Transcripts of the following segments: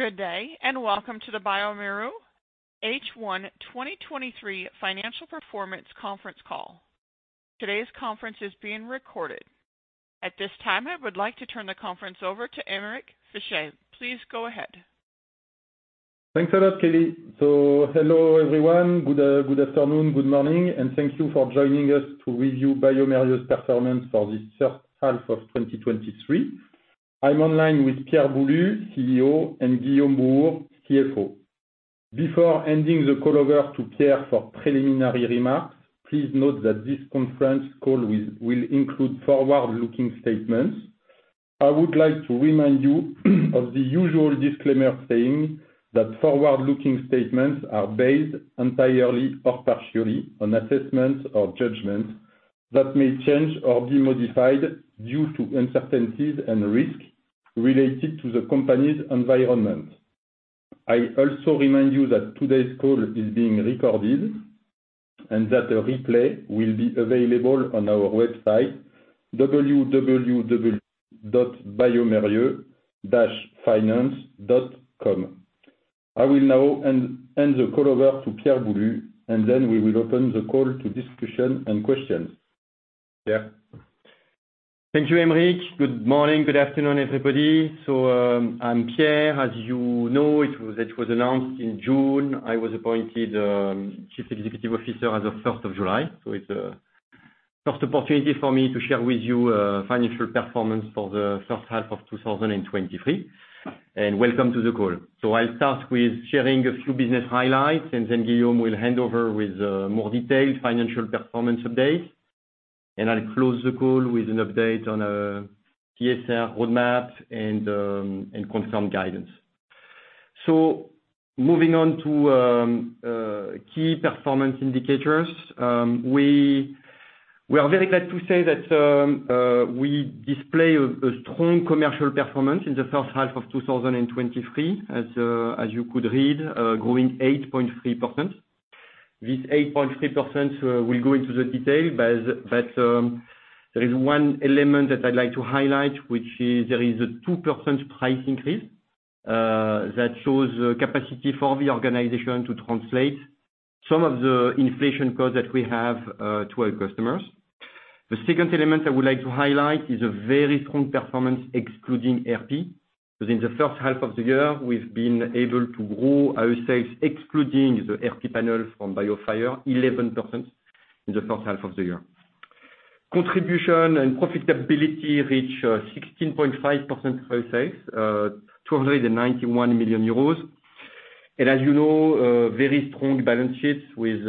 Good day, and welcome to the bioMérieux H1 2023 Financial Performance conference call. Today's conference is being recorded. At this time, I would like to turn the conference over to Aymeric Fichet. Please go ahead. Thanks a lot, Kelly. So hello, everyone. Good, good afternoon, good morning, and thank you for joining us to review bioMérieux's performance for this first half of 2023. I'm online with Pierre Boulud, CEO, and Guillaume Bouhours, CFO. Before handing the call over to Pierre for preliminary remarks, please note that this conference call will include forward-looking statements. I would like to remind you of the usual disclaimer saying that forward-looking statements are based entirely or partially on assessments or judgments that may change or be modified due to uncertainties and risks related to the company's environment. I also remind you that today's call is being recorded, and that a replay will be available on our website, www.biomerieux-finance.com. I will now hand the call over to Pierre Boulud, and then we will open the call to discussion and questions. Pierre? Thank you, Aymeric. Good morning, good afternoon, everybody. So, I'm Pierre. As you know, it was announced in June, I was appointed Chief Executive Officer as of the first of July. So it's first opportunity for me to share with you financial performance for the first half of 2023. And welcome to the call. So I'll start with sharing a few business highlights, and then Guillaume will hand over with more detailed financial performance updates. And I'll close the call with an update on PSR roadmap and confirm guidance. So moving on to key performance indicators, we are very glad to say that we display a strong commercial performance in the first half of 2023, as you could read, growing 8.3%. This 8.3%, we'll go into the detail, but, but, there is one element that I'd like to highlight, which is there is a 2% price increase, that shows capacity for the organization to translate some of the inflation costs that we have, to our customers. The second element I would like to highlight is a very strong performance excluding RP, because in the first half of the year, we've been able to grow our sales excluding the RP panel from BioFire, 11% in the first half of the year. Contribution and profitability reach, 16.5% sales tax, 291 million euros. And as you know, very strong balance sheets with,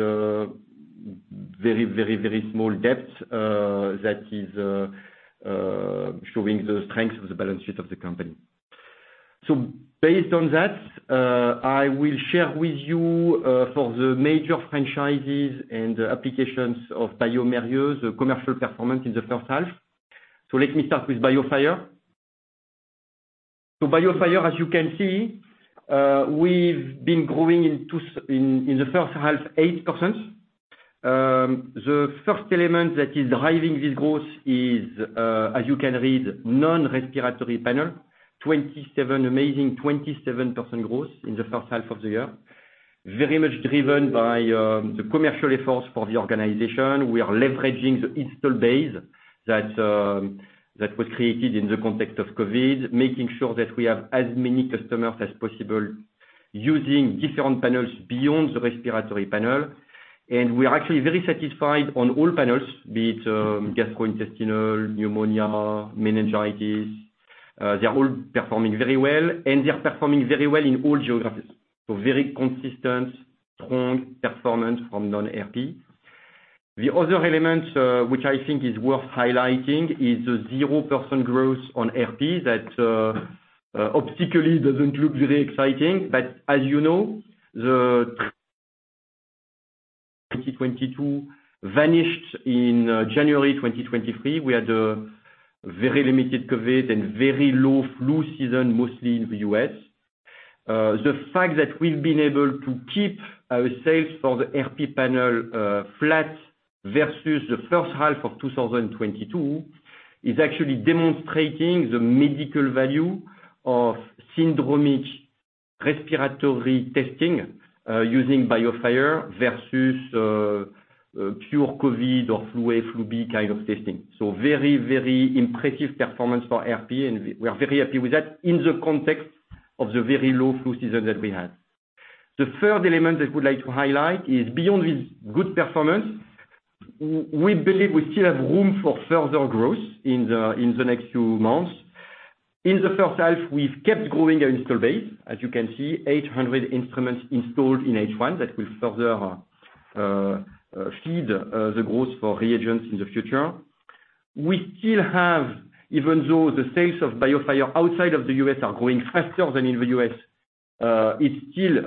very, very, very small debt, that is, showing the strength of the balance sheet of the company. So based on that, I will share with you for the major franchises and applications of bioMérieux, the commercial performance in the first half. So let me start with BioFire. So BioFire, as you can see, we've been growing in the first half, 8%. The first element that is driving this growth is, as you can read, non-respiratory panel, 27, amazing 27% growth in the first half of the year. Very much driven by the commercial efforts for the organization. We are leveraging the installed base that was created in the context of COVID, making sure that we have as many customers as possible using different panels beyond the respiratory panel. We are actually very satisfied on all panels, be it gastrointestinal, pneumonia, meningitis, they are all performing very well, and they are performing very well in all geographies. Very consistent, strong performance from non-RP. The other element, which I think is worth highlighting, is the 0% growth on RP, that obviously doesn't look very exciting. But as you know, the 2022 vanished in January 2023. We had a very limited COVID and very low flu season, mostly in the U.S. The fact that we've been able to keep our sales for the RP panel flat versus the first half of 2022 is actually demonstrating the medical value of syndromic respiratory testing using BioFire versus pure COVID or flu A, flu B kind of testing. So very, very impressive performance for RP, and we are very happy with that in the context of the very low flu season that we had. The third element I would like to highlight is beyond this good performance, we believe we still have room for further growth in the next few months. In the first half, we've kept growing our install base. As you can see, 800 instruments installed in H1. That will further feed the growth for reagents in the future. We still have, even though the sales of BioFire outside of the US are growing faster than in the US, it's still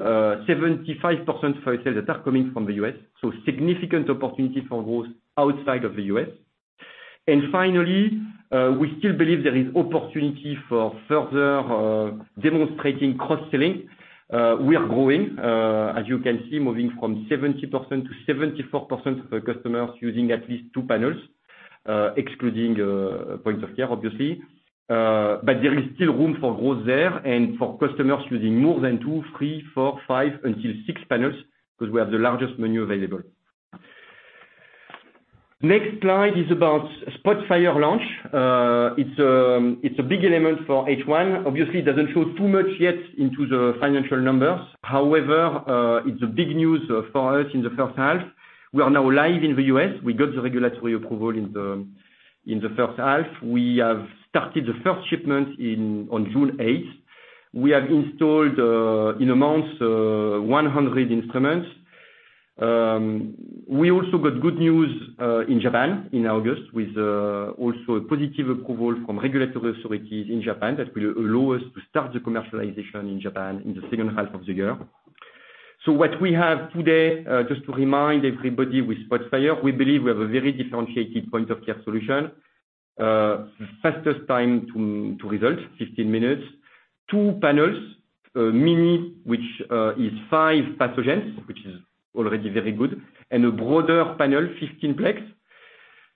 75% for sales that are coming from the US, so significant opportunity for growth outside of the US. And finally, we still believe there is opportunity for further demonstrating cross-selling. We are growing, as you can see, moving from 70% to 74% of the customers using at least two panels, excluding points of care, obviously. But there is still room for growth there and for customers using more than two, three, four, five, until six panels, because we have the largest menu available. Next slide is about SPOTFIRE launch. It's a big element for H1. Obviously, it doesn't show too much yet into the financial numbers. However, it's big news for us in the first half. We are now live in the U.S. We got the regulatory approval in the first half. We have started the first shipment on June eighth. We have installed, in a month, 100 instruments. We also got good news in Japan in August, with also a positive approval from regulatory authorities in Japan that will allow us to start the commercialization in Japan in the second half of the year. So what we have today, just to remind everybody with Spotfire, we believe we have a very differentiated point of care solution. Fastest time to result, 15 minutes. Two panels, mini, which is 5 pathogens, which is already very good, and a broader panel, 15 plex.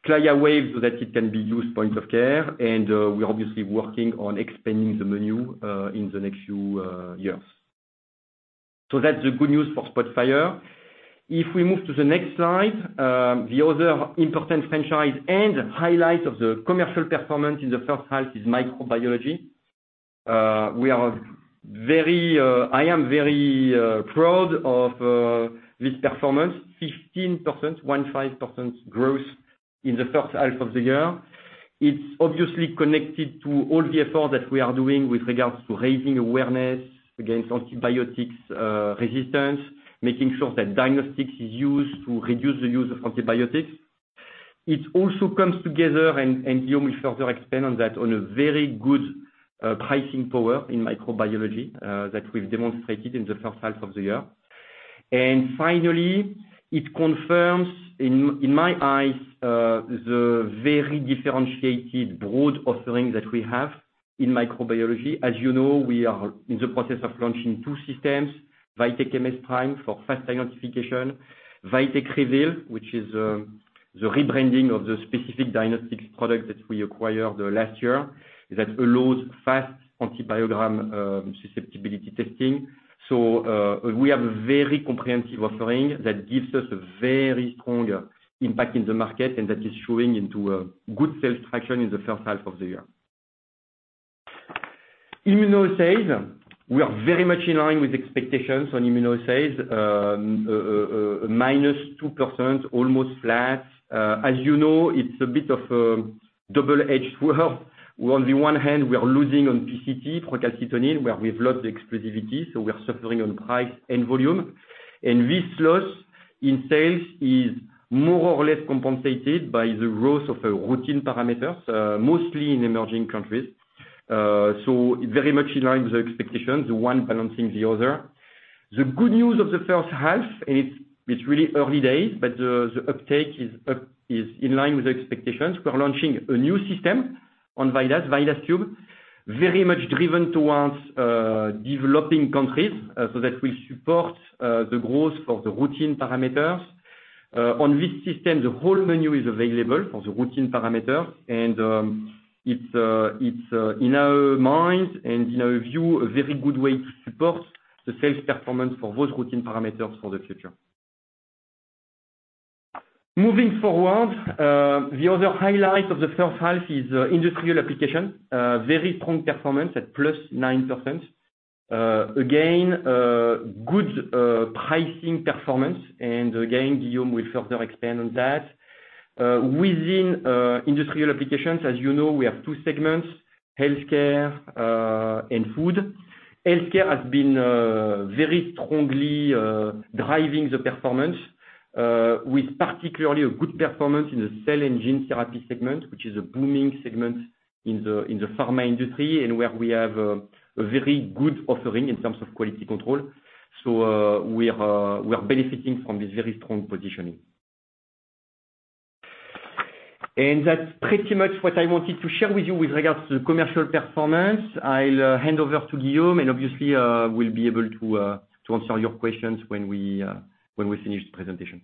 CLIA-waived, so that it can be used point of care, and we're obviously working on expanding the menu in the next few years. So that's the good news for Spotfire. If we move to the next slide, the other important franchise and highlight of the commercial performance in the first half is microbiology. We are very, I am very, proud of this performance. 15%, 15% growth in the first half of the year. It's obviously connected to all the effort that we are doing with regards to raising awareness against antibiotic resistance, making sure that diagnostics is used to reduce the use of antibiotics. It also comes together, and Guillaume will further expand on that, on a very good pricing power in microbiology that we've demonstrated in the first half of the year. And finally, it confirms, in my eyes, the very differentiated broad offerings that we have in microbiology. As you know, we are in the process of launching two systems, VITEK MS PRIME for fast identification, VITEK REVEAL, which is, the rebranding of the Specific Diagnostics product that we acquired, last year, that allows fast antibiogram, susceptibility testing. So, we have a very comprehensive offering that gives us a very strong impact in the market, and that is showing into a good sales traction in the first half of the year. Immunoassay, we are very much in line with expectations on immunoassays. Minus 2%, almost flat. As you know, it's a bit of a double-edged sword. On the one hand, we are losing on PCT, procalcitonin, where we've lost the exclusivity, so we are suffering on price and volume. This loss in sales is more or less compensated by the growth of the routine parameters, mostly in emerging countries. So very much in line with the expectations, the one balancing the other. The good news of the first half, and it's really early days, but the uptake is in line with the expectations. We're launching a new system on VIDAS, VIDAS Kube, very much driven towards developing countries, so that will support the growth for the routine parameters. On this system, the whole menu is available for the routine parameter, and it's in our minds and in our view, a very good way to support the sales performance for those routine parameters for the future. Moving forward, the other highlight of the first half is industrial application. Very strong performance at +9%. Again, good pricing performance, and again, Guillaume will further expand on that. Within industrial applications, as you know, we have two segments, healthcare and food. Healthcare has been very strongly driving the performance, with particularly a good performance in the cell engine therapy segment, which is a booming segment in the pharma industry, and where we have a very good offering in terms of quality control. So, we are benefiting from this very strong positioning. And that's pretty much what I wanted to share with you with regards to the commercial performance. I'll hand over to Guillaume, and obviously, we'll be able to answer your questions when we finish the presentation.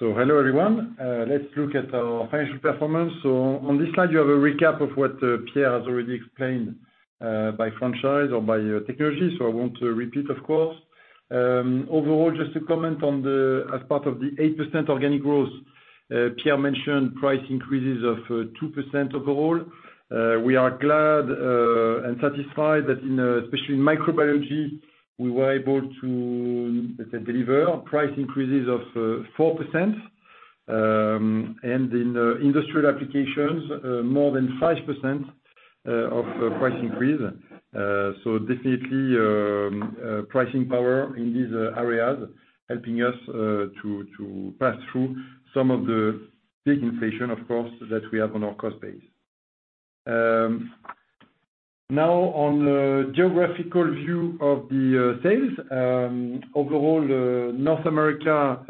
So hello, everyone. Let's look at our financial performance. So on this slide, you have a recap of what Pierre has already explained by franchise or by technology, so I won't repeat, of course. Overall, just to comment on the as part of the 8% organic growth, Pierre mentioned price increases of 2% overall. We are glad and satisfied that in especially in microbiology, we were able to, let's say, deliver price increases of 4%. And in industrial applications, more than 5% of price increase. So definitely, pricing power in these areas, helping us to pass through some of the big inflation, of course, that we have on our cost base. Now on the geographical view of the sales. Overall, North America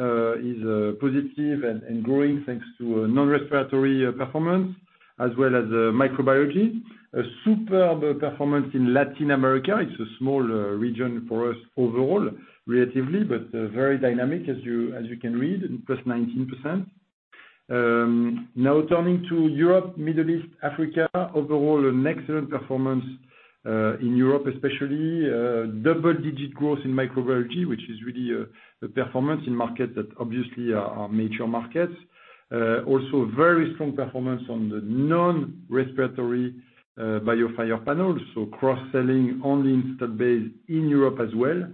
is positive and growing thanks to a non-respiratory performance as well as microbiology. A superb performance in Latin America. It's a small region for us overall, relatively, but very dynamic as you can read, plus 19%. Now turning to Europe, Middle East, Africa, overall, an excellent performance in Europe especially, double-digit growth in microbiology, which is really a performance in market that obviously are our major markets. Also very strong performance on the non-respiratory BioFire panels, so cross-selling on the installed base in Europe as well,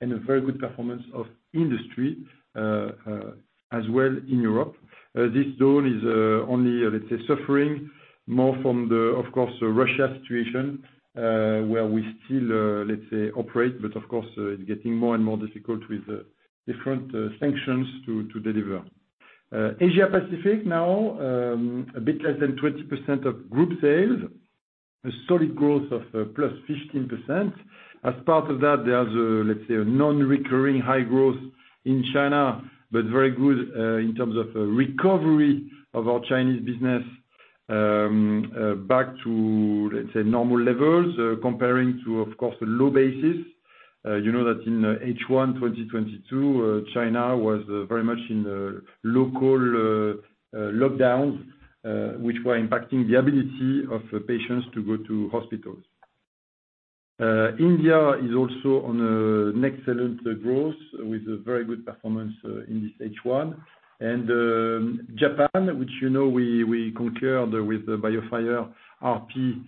and a very good performance of industry as well in Europe. This zone is only, let's say, suffering more from the, of course, Russia situation, where we still, let's say operate, but of course, it's getting more and more difficult with the different sanctions to deliver. Asia Pacific now, a bit less than 20% of group sales, a solid growth of plus 15%. As part of that, there's a, let's say, a non-recurring high growth in China, but very good in terms of recovery of our Chinese business, back to, let's say, normal levels, comparing to, of course, a low basis. You know that in H1 2022, China was very much in local lockdowns, which were impacting the ability of patients to go to hospitals. India is also on an excellent growth with a very good performance in this H1. Japan, which, you know, we conquered with the BioFire RP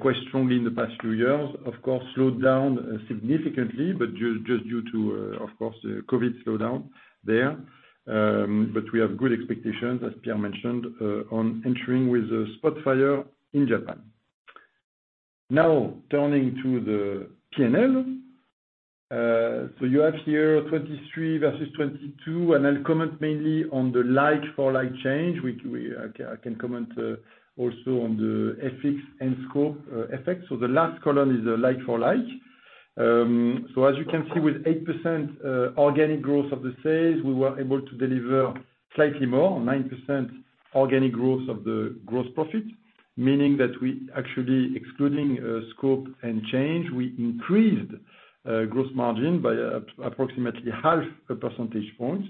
quite strongly in the past few years, of course, slowed down significantly, but just due to, of course, the COVID slowdown there. But we have good expectations, as Pierre mentioned, on entering with Spotfire in Japan. Now, turning to the P&L. So you have here 23 versus 22, and I'll comment mainly on the like for like change, which I can comment also on the acquisitions and scope effect. So the last column is a like for like. So as you can see, with 8% organic growth of the sales, we were able to deliver slightly more, 9% organic growth of the gross profit, meaning that we actually excluding scope and change, we increased gross margin by approximately half a percentage point.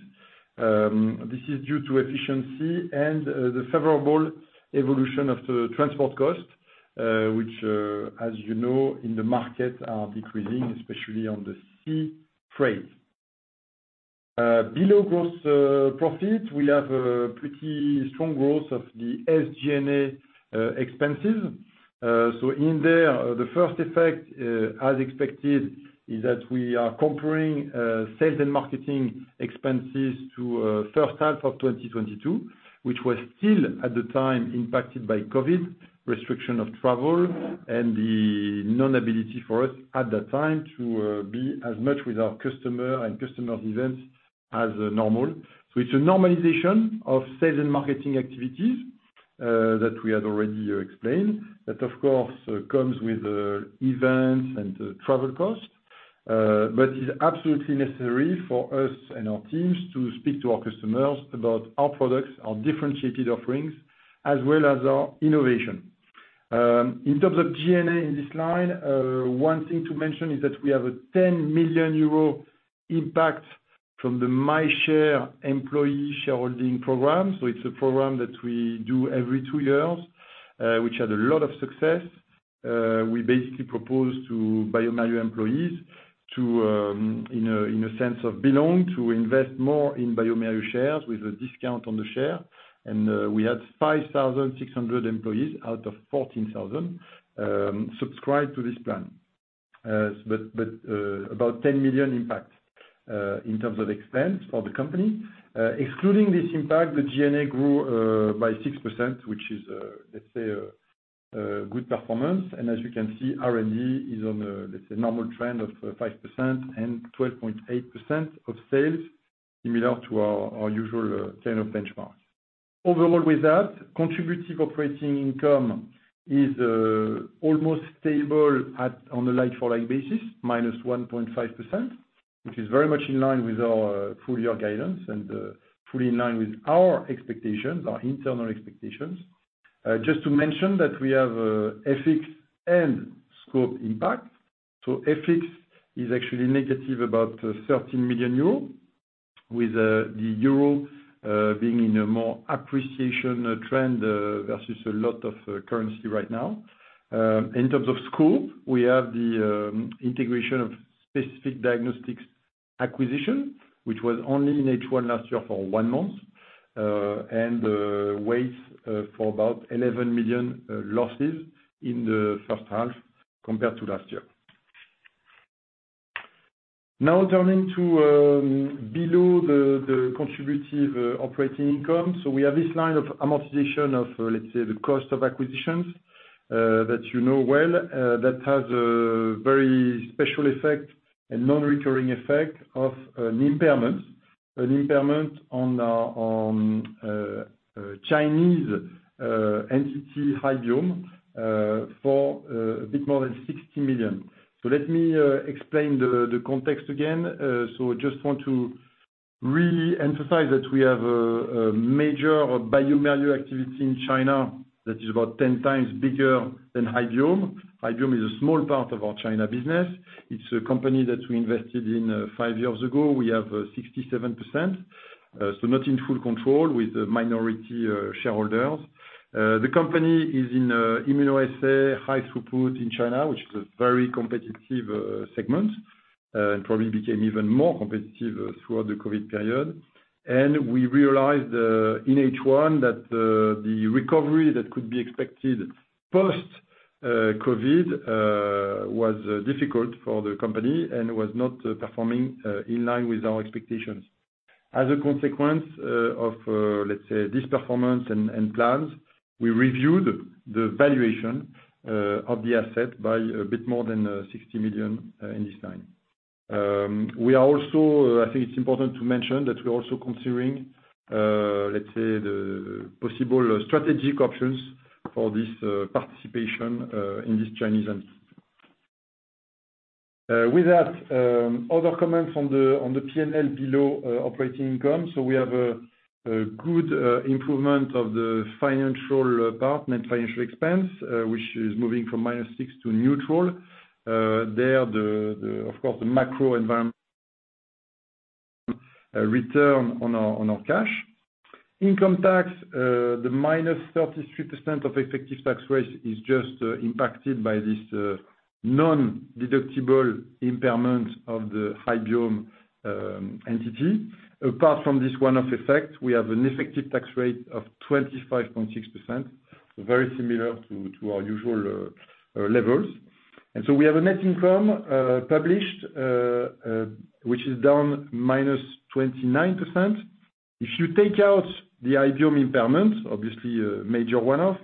This is due to efficiency and the favorable evolution of the transport cost, which, as you know, in the market are decreasing, especially on the sea freight. Below gross profit, we have a pretty strong growth of the SG&A expenses. So in there, the first effect, as expected, is that we are comparing sales and marketing expenses to first half of 2022, which was still, at the time, impacted by COVID, restriction of travel, and the non-ability for us at that time to be as much with our customer and customer events as normal. So it's a normalization of sales and marketing activities, that we had already explained, that of course, comes with events and travel costs, but is absolutely necessary for us and our teams to speak to our customers about our products, our differentiated offerings, as well as our innovation. In terms of G&A in this line, one thing to mention is that we have a 10 million euro impact from the MyShare employee shareholding program. So it's a program that we do every two years, which had a lot of success. We basically propose to bioMérieux employees to, in a sense of belong, to invest more in bioMérieux shares with a discount on the share. And, we had 5,600 employees out of 14,000 subscribed to this plan. But, about 10 million impact in terms of expense for the company. Excluding this impact, the G&A grew by 6%, which is, let's say, a good performance. And as you can see, R&D is on a, let's say, normal trend of 5% and 12.8% of sales, similar to our usual kind of benchmark. Overall, with that, contributive operating income is almost stable at, on a like-for-like basis, minus 1.5%, which is very much in line with our full year guidance and fully in line with our expectations, our internal expectations. Just to mention that we have FX and scope impact. So FX is actually negative, about 13 million euro, with the euro being in a more appreciation trend versus a lot of currency right now. In terms of scope, we have the integration of Specific Diagnostics acquisition, which was only in H1 last year for one month, and weighs for about 11 million losses in the first half compared to last year. Now turning to below the contributive operating income. So we have this line of amortization of, let's say, the cost of acquisitions, that you know well, that has a very special effect, a non-recurring effect of an impairment, an impairment on Chinese entity Hybiome, for a bit more than 60 million. So let me explain the context again. So just want to really emphasize that we have a major bioMérieux activity in China that is about ten times bigger than Hybiome. Hybiome is a small part of our China business. It's a company that we invested in five years ago. We have 67%, so not in full control with the minority shareholders. The company is in immunoassay, high throughput in China, which is a very competitive segment and probably became even more competitive throughout the COVID period. We realized in H1 that the recovery that could be expected post COVID was difficult for the company and was not performing in line with our expectations. As a consequence of let's say this performance and plans, we reviewed the valuation of the asset by a bit more than 60 million in this time. We are also. I think it's important to mention that we're also considering let's say the possible strategic options for this participation in this Chinese entity. With that, other comments on the P&L below operating income. So we have a good improvement of the financial department, financial expense, which is moving from -6 to neutral. Of course, the macro environment... a return on our cash. Income tax, the -33% of effective tax rate is just impacted by this non-deductible impairment of the Ibioem entity. Apart from this one-off effect, we have an effective tax rate of 25.6%, very similar to our usual levels. And so we have a net income published which is down -29%. If you take out the Ibioem impairment, obviously a major one-off,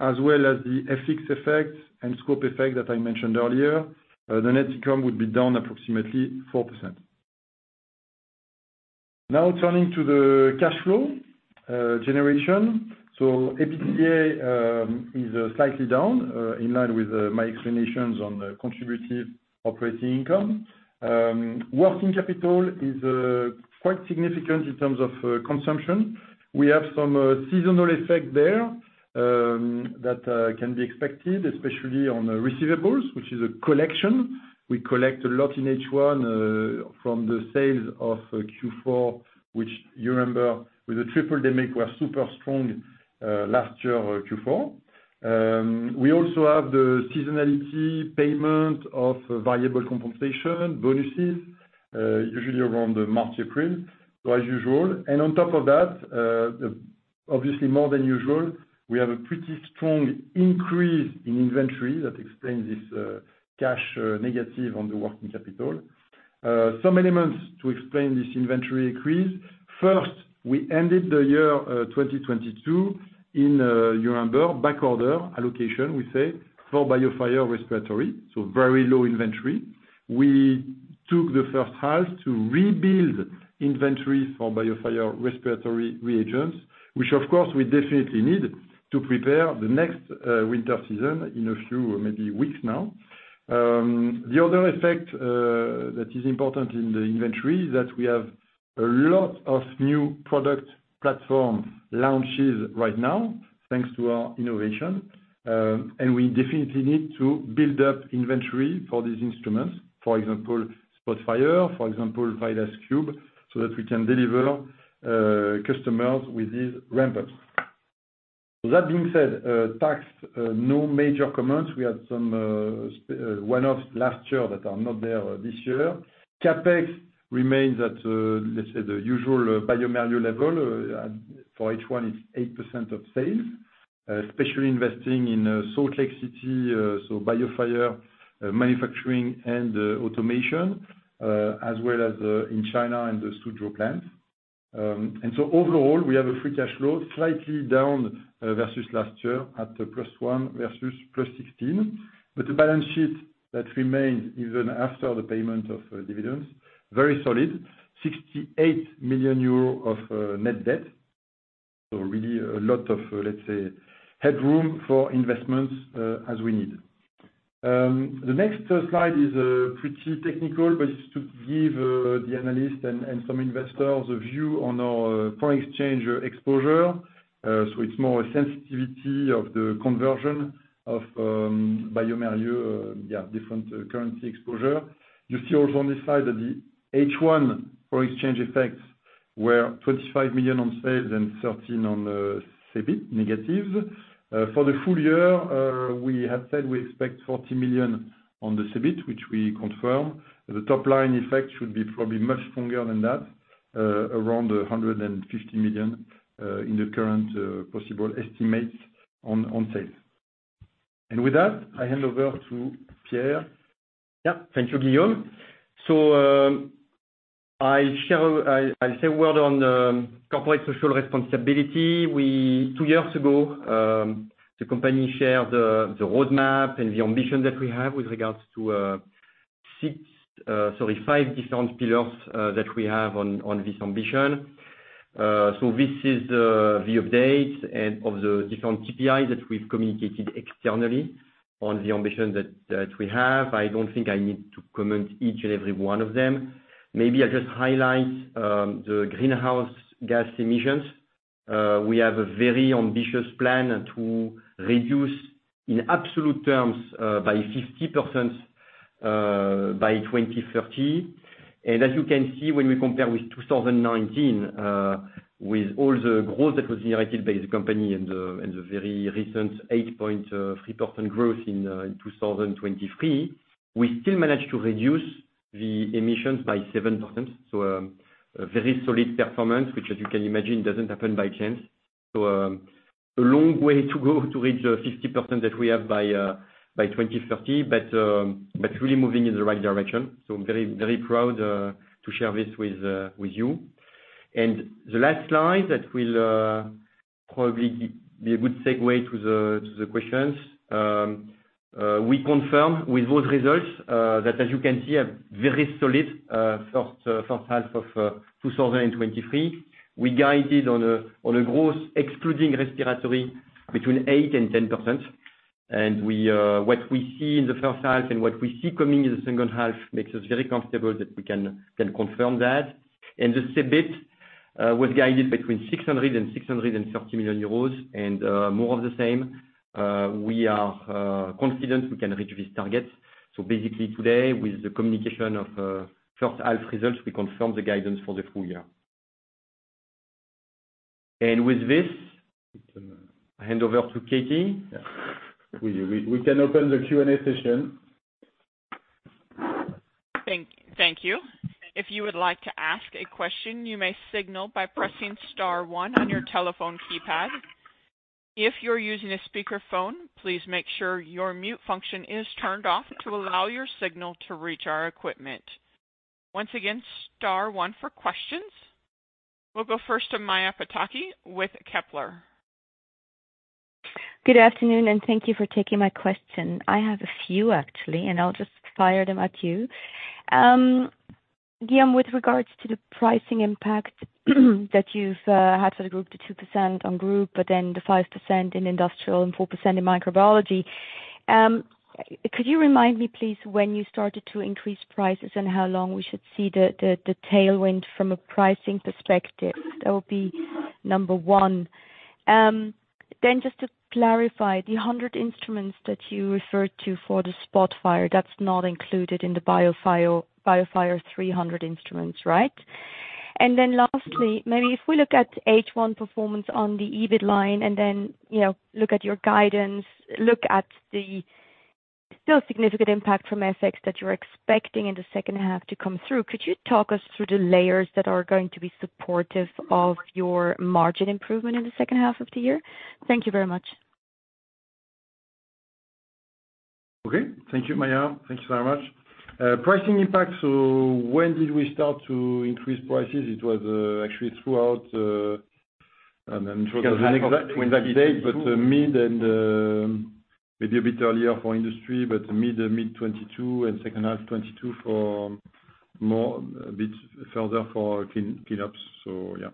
as well as the FX effect and scope effect that I mentioned earlier, the net income would be down approximately 4%. Now turning to the cash flow generation. So EBITDA is slightly down in line with my explanations on the contributive operating income. Working capital is quite significant in terms of consumption. We have some seasonal effect there that can be expected, especially on receivables, which is a collection. We collect a lot in H1 from the sales of Q4, which you remember, with the triple-demic were super strong last year, Q4. We also have the seasonality payment of variable compensation bonuses usually around the March, April, so as usual. And on top of that, obviously, more than usual, we have a pretty strong increase in inventory that explains this cash negative on the working capital. Some elements to explain this inventory increase. First, we ended the year 2022 in, you remember, back order allocation, we say, for BioFire respiratory, so very low inventory. We took the first half to rebuild inventory for BioFire respiratory reagents, which of course, we definitely need to prepare the next winter season in a few maybe weeks now. The other effect that is important in the inventory is that we have a lot of new product platform launches right now, thanks to our innovation. And we definitely need to build up inventory for these instruments, for example, SpotFire, for example, VIDAS Cube, so that we can deliver customers with these ramp-ups. That being said, tax, no major comments. We had some one-offs last year that are not there this year. CapEx remains at, let's say, the usual bioMérieux level. For H1, it's 8% of sales, especially investing in Salt Lake City, so BioFire manufacturing and automation, as well as in China and the Suzhou plants. So overall, we have a free cash flow slightly down versus last year at +1 million versus +16 million. But the balance sheet that remains even after the payment of dividends, very solid, 68 million euros of net debt. So really a lot of, let's say, headroom for investments as we need. The next slide is pretty technical, but it's to give the analysts and some investors a view on our foreign exchange exposure. So it's more a sensitivity of the conversion of bioMérieux, yeah, different currency exposure. You see also on this slide that the H1 foreign exchange effects were 25 million on sales and 13 on EBIT negative. For the full year, we had said we expect 40 million on the EBIT, which we confirm. The top line effect should be probably much stronger than that, around 150 million, in the current possible estimates on sales. And with that, I hand over to Pierre. Yeah. Thank you, Guillaume. So, I'll share—I, I'll say a word on corporate social responsibility. We—two years ago, the company shared the roadmap and the ambition that we have with regards to six, sorry, five different pillars that we have on this ambition. So this is the update and of the different KPIs that we've communicated externally on the ambition that we have. I don't think I need to comment each and every one of them. Maybe I'll just highlight the greenhouse gas emissions. We have a very ambitious plan to reduce, in absolute terms, by 50%, by 2030. And as you can see, when we compare with 2019, with all the growth that was generated by the company and the very recent 8.3% growth in 2023, we still managed to reduce the emissions by 7%. So, a very solid performance, which, as you can imagine, doesn't happen by chance. So, a long way to go to reach the 50% that we have by 2030, but really moving in the right direction, so I'm very, very proud to share this with you. And the last slide that will probably be a good segue to the questions. We confirm with those results that, as you can see, a very solid first half of 2023. We guided on a growth excluding respiratory between 8%-10%. And what we see in the first half, and what we see coming in the second half, makes us very comfortable that we can confirm that. And the EBIT was guided between 600 million-630 million euros, and more of the same, we are confident we can reach these targets. So basically today, with the communication of first half results, we confirm the guidance for the full year. And with this, I hand over to Katie. Yeah. We can open the Q&A session. Thank you. If you would like to ask a question, you may signal by pressing star one on your telephone keypad. If you're using a speakerphone, please make sure your mute function is turned off to allow your signal to reach our equipment. Once again, star one for questions. We'll go first to Maja Pataki with Kepler. Good afternoon, and thank you for taking my question. I have a few actually, and I'll just fire them at you. Guillaume, with regards to the pricing impact that you've had for the group, the 2% on group, but then the 5% in industrial and 4% in microbiology, could you remind me, please, when you started to increase prices and how long we should see the tailwind from a pricing perspective? That would be number one. Then just to clarify, the 100 instruments that you referred to for the SPOTFIRE, that's not included in the BIOFIRE, BIOFIRE 300 instruments, right? And then lastly, maybe if we look at H1 performance on the EBIT line, and then, you know, look at your guidance, look at the still significant impact from FX that you're expecting in the second half to come through, could you talk us through the layers that are going to be supportive of your margin improvement in the second half of the year? Thank you very much. Okay. Thank you, Maja. Thank you very much. Pricing impact, so when did we start to increase prices? It was, actually throughout, I'm sure- Exactly. But, mid and, maybe a bit earlier for industry, but mid, mid-2022 and second half 2022 for more, a bit further for clinics, so yeah.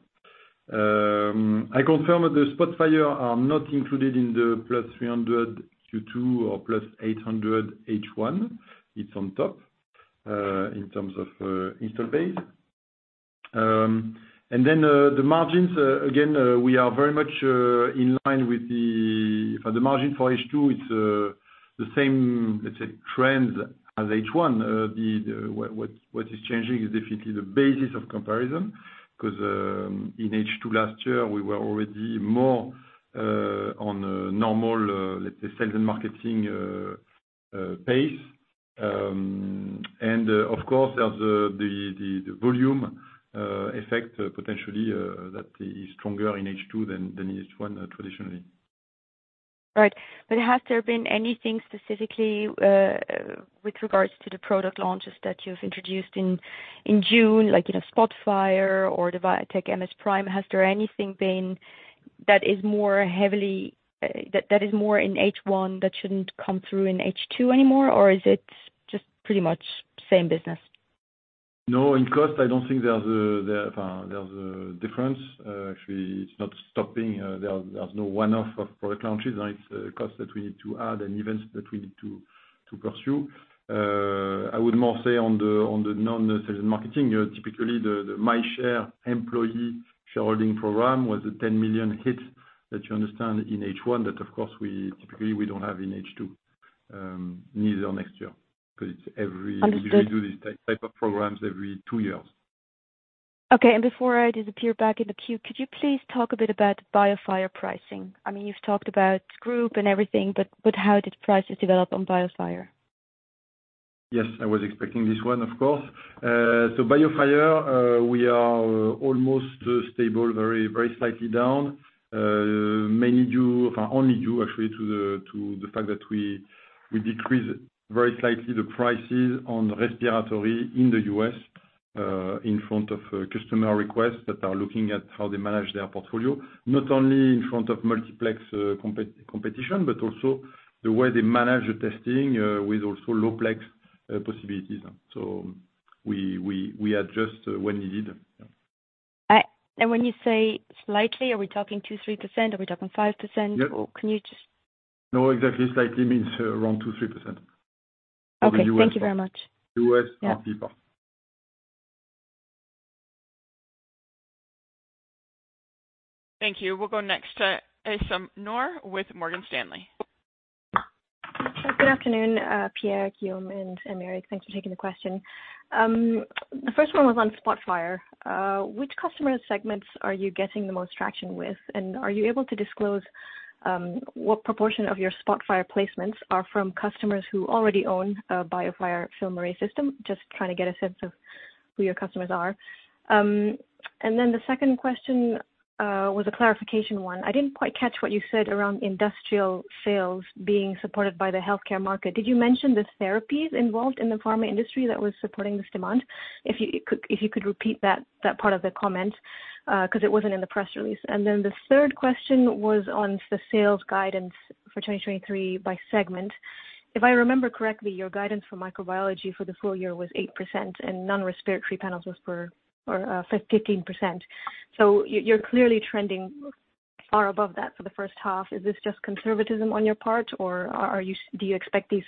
I confirm that the SPOTFIRE are not included in the +300 Q2 or +800 H1. It's on top, in terms of, install base. And then, the margins, again, we are very much, in line with the... For the margin for H2, it's, the same, let's say, trend as H1. The, what is changing is definitely the basis of comparison, 'cause, in H2 last year, we were already more, on a normal, let's say, sales and marketing, pace. Of course, there's the volume effect potentially that is stronger in H2 than in H1 traditionally. Right. But has there been anything specifically with regards to the product launches that you've introduced in June, like, you know, SPOTFIRE or the VITEK MS PRIME? Has there anything been that is more heavily that is more in H1 that shouldn't come through in H2 anymore, or is it just pretty much same business? No, in cost, I don't think there's a difference. Actually, it's not stopping. There's no one-off of product launches, and it's a cost that we need to add and events that we need to pursue. I would more say on the non-sales and marketing, typically the MyShare employee shareholding program was a 10 million hit, that you understand, in H1, that of course, we typically don't have in H2, neither next year. 'Cause it's every- Understood. We do these type of programs every two years. Okay. And before I disappear back in the queue, could you please talk a bit about BioFire pricing? I mean, you've talked about group and everything, but, but how did prices develop on BioFire? Yes, I was expecting this one, of course. So BioFire, we are almost stable, very, very slightly down. Mainly due, only due, actually, to the fact that we decreased very slightly the prices on respiratory in the US, in front of customer requests that are looking at how they manage their portfolio. Not only in front of multiplex competition, but also the way they manage the testing, with also lowplex possibilities. So we adjust when needed. Yeah. When you say slightly, are we talking 2%-3%? Are we talking 5%? Yep. Or can you just- No, exactly, slightly means around 2%-3%. Okay. Thank you very much. US and RP part. Thank you. We'll go next to Uzma Noor with Morgan Stanley. Good afternoon, Pierre, Guillaume, and Aymeric. Thanks for taking the question. The first one was on SPOTFIRE. Which customer segments are you getting the most traction with? And are you able to disclose what proportion of your SPOTFIRE placements are from customers who already own a BIOFIRE FILMARRAY system? Just trying to get a sense of who your customers are. And then the second question was a clarification one. I didn't quite catch what you said around industrial sales being supported by the healthcare market. Did you mention the therapies involved in the pharma industry that was supporting this demand? If you could repeat that part of the comment, 'cause it wasn't in the press release. And then the third question was on the sales guidance for 2023 by segment. If I remember correctly, your guidance for microbiology for the full year was 8% and non-respiratory panels was fifteen percent. So you're clearly trending far above that for the first half. Is this just conservatism on your part, or do you expect these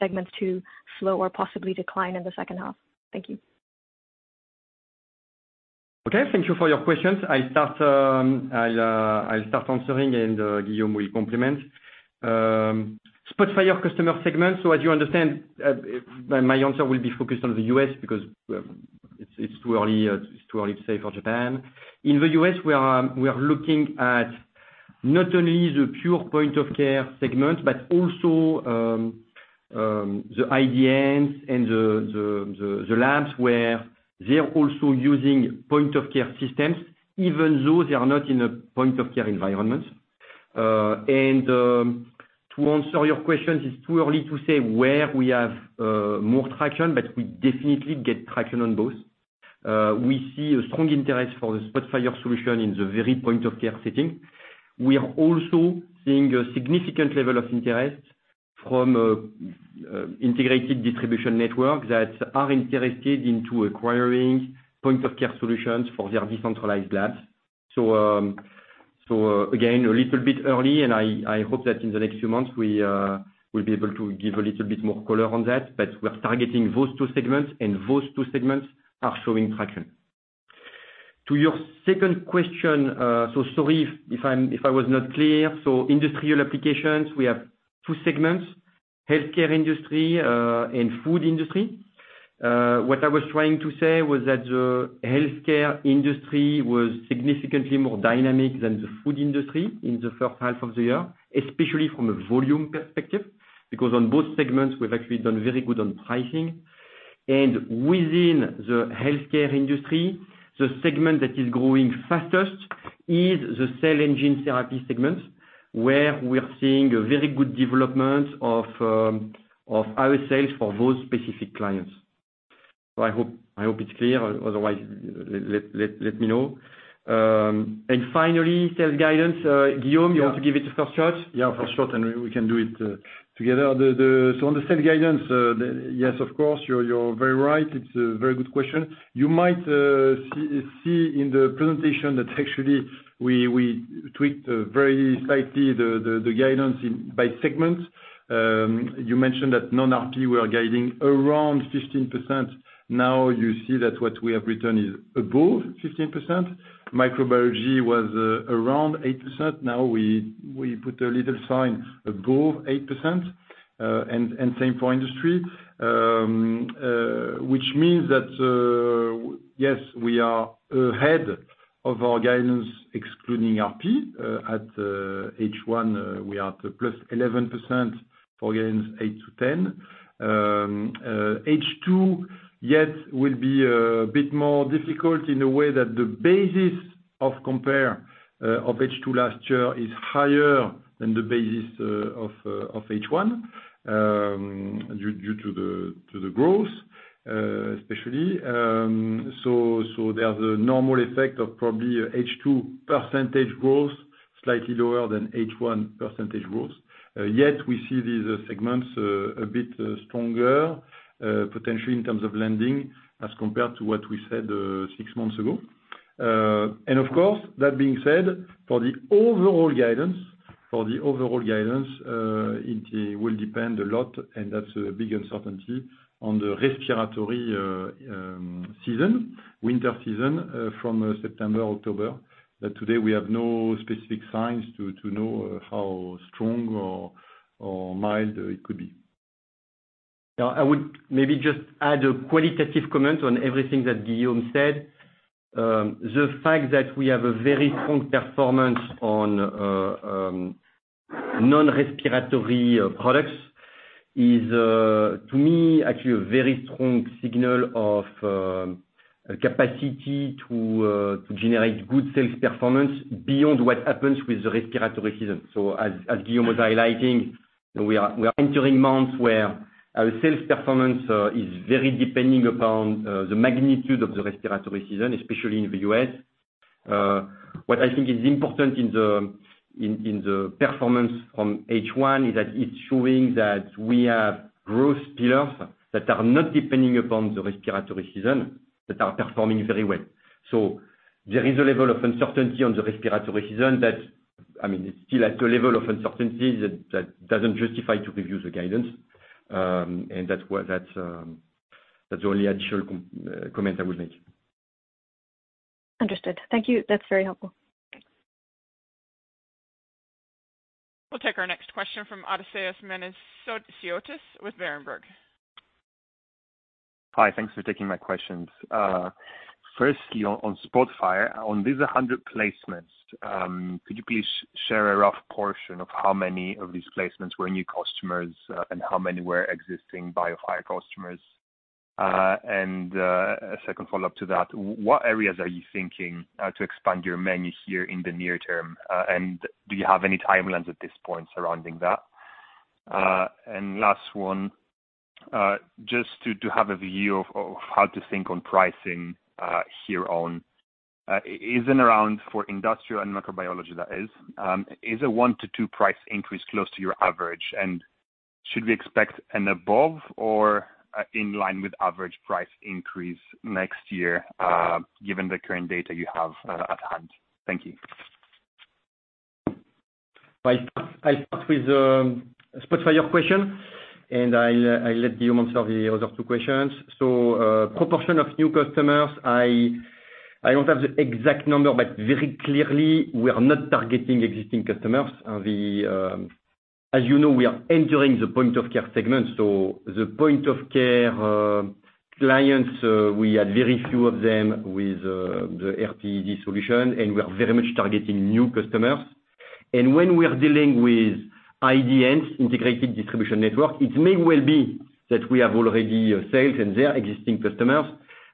segments to slow or possibly decline in the second half? Thank you. Okay, thank you for your questions. I'll start answering, and Guillaume Bouhours will complement. Spotfire customer segment, so as you understand, my answer will be focused on the U.S. because it's too early to say for Japan. In the U.S., we are looking at not only the pure point of care segment, but also the IDNs and the labs where they're also using point of care systems, even though they are not in a point of care environment. And to answer your questions, it's too early to say where we have more traction, but we definitely get traction on both. We see a strong interest for the Spotfire solution in the very point of care setting. We are also seeing a significant level of interest from Integrated Delivery Networks that are interested in acquiring point-of-care solutions for their decentralized labs. So, again, a little bit early, and I hope that in the next few months, we will be able to give a little bit more color on that, but we're targeting those two segments, and those two segments are showing traction. To your second question, so sorry if I was not clear. So industrial applications, we have two segments, healthcare industry and food industry. What I was trying to say was that the healthcare industry was significantly more dynamic than the food industry in the first half of the year, especially from a volume perspective, because on both segments, we've actually done very good on pricing. Within the healthcare industry, the segment that is growing fastest is the cell engine therapy segment, where we're seeing a very good development of our sales for those specific clients. So I hope it's clear, otherwise, let me know. And finally, sales guidance. Guillaume- Yeah. You want to give it a first shot? Yeah, for short, and we can do it together. So on the sales guidance, yes, of course, you're very right. It's a very good question. You might see in the presentation that actually we tweaked very slightly the guidance by segment. You mentioned that non-RP, we are guiding around 15%. Now, you see that what we have written is above 15%. Microbiology was around 8%. Now we put a little sign above 8%, and same for industry. Which means that yes, we are ahead of our guidance, excluding RP, at H1, we are at the +11% for guidance 8-10. H2 yet will be a bit more difficult in the way that the basis of compare of H2 last year is higher than the basis of H1 due to the growth especially. So there's a normal effect of probably H2 percentage growth slightly lower than H1 percentage growth. Yet we see these segments a bit stronger potentially in terms of lending as compared to what we said six months ago. And of course that being said, for the overall guidance, it will depend a lot, and that's a big uncertainty on the respiratory season, winter season from September, October. But today we have no specific signs to know how strong or mild it could be. Yeah. I would maybe just add a qualitative comment on everything that Guillaume said. The fact that we have a very strong performance on non-respiratory products is to me actually a very strong signal of a capacity to generate good sales performance beyond what happens with the respiratory season. So as Guillaume was highlighting, we are entering months where our sales performance is very depending upon the magnitude of the respiratory season, especially in the U.S. What I think is important in the performance from H1 is that it's showing that we have growth pillars that are not depending upon the respiratory season, that are performing very well. So there is a level of uncertainty on the respiratory season that, I mean, it's still at a level of uncertainty that doesn't justify to review the guidance. And that's the only additional comment I would make. Understood. Thank you, that's very helpful. We'll take our next question from Odysseas Manesiotis, with Berenberg. Hi, thanks for taking my questions. Firstly, on SPOTFIRE, on these 100 placements, could you please share a rough portion of how many of these placements were new customers, and how many were existing BioFire customers? A second follow-up to that, what areas are you thinking to expand your menu here in the near term? And do you have any timelines at this point surrounding that? Last one, just to have a view of how to think on pricing, here on, is it around for industrial and microbiology that is, is a 1-2 price increase close to your average? And should we expect an above or in line with average price increase next year, given the current data you have at hand? Thank you. I'll start with Spotfire question, and I'll let Guillaume answer the other two questions. So, proportion of new customers, I don't have the exact number, but very clearly we are not targeting existing customers. As you know, we are entering the point of care segment, so the point of care clients, we had very few of them with the RTP solution, and we are very much targeting new customers. And when we are dealing with IDNs, integrated delivery network, it may well be that we have already sales and they are existing customers,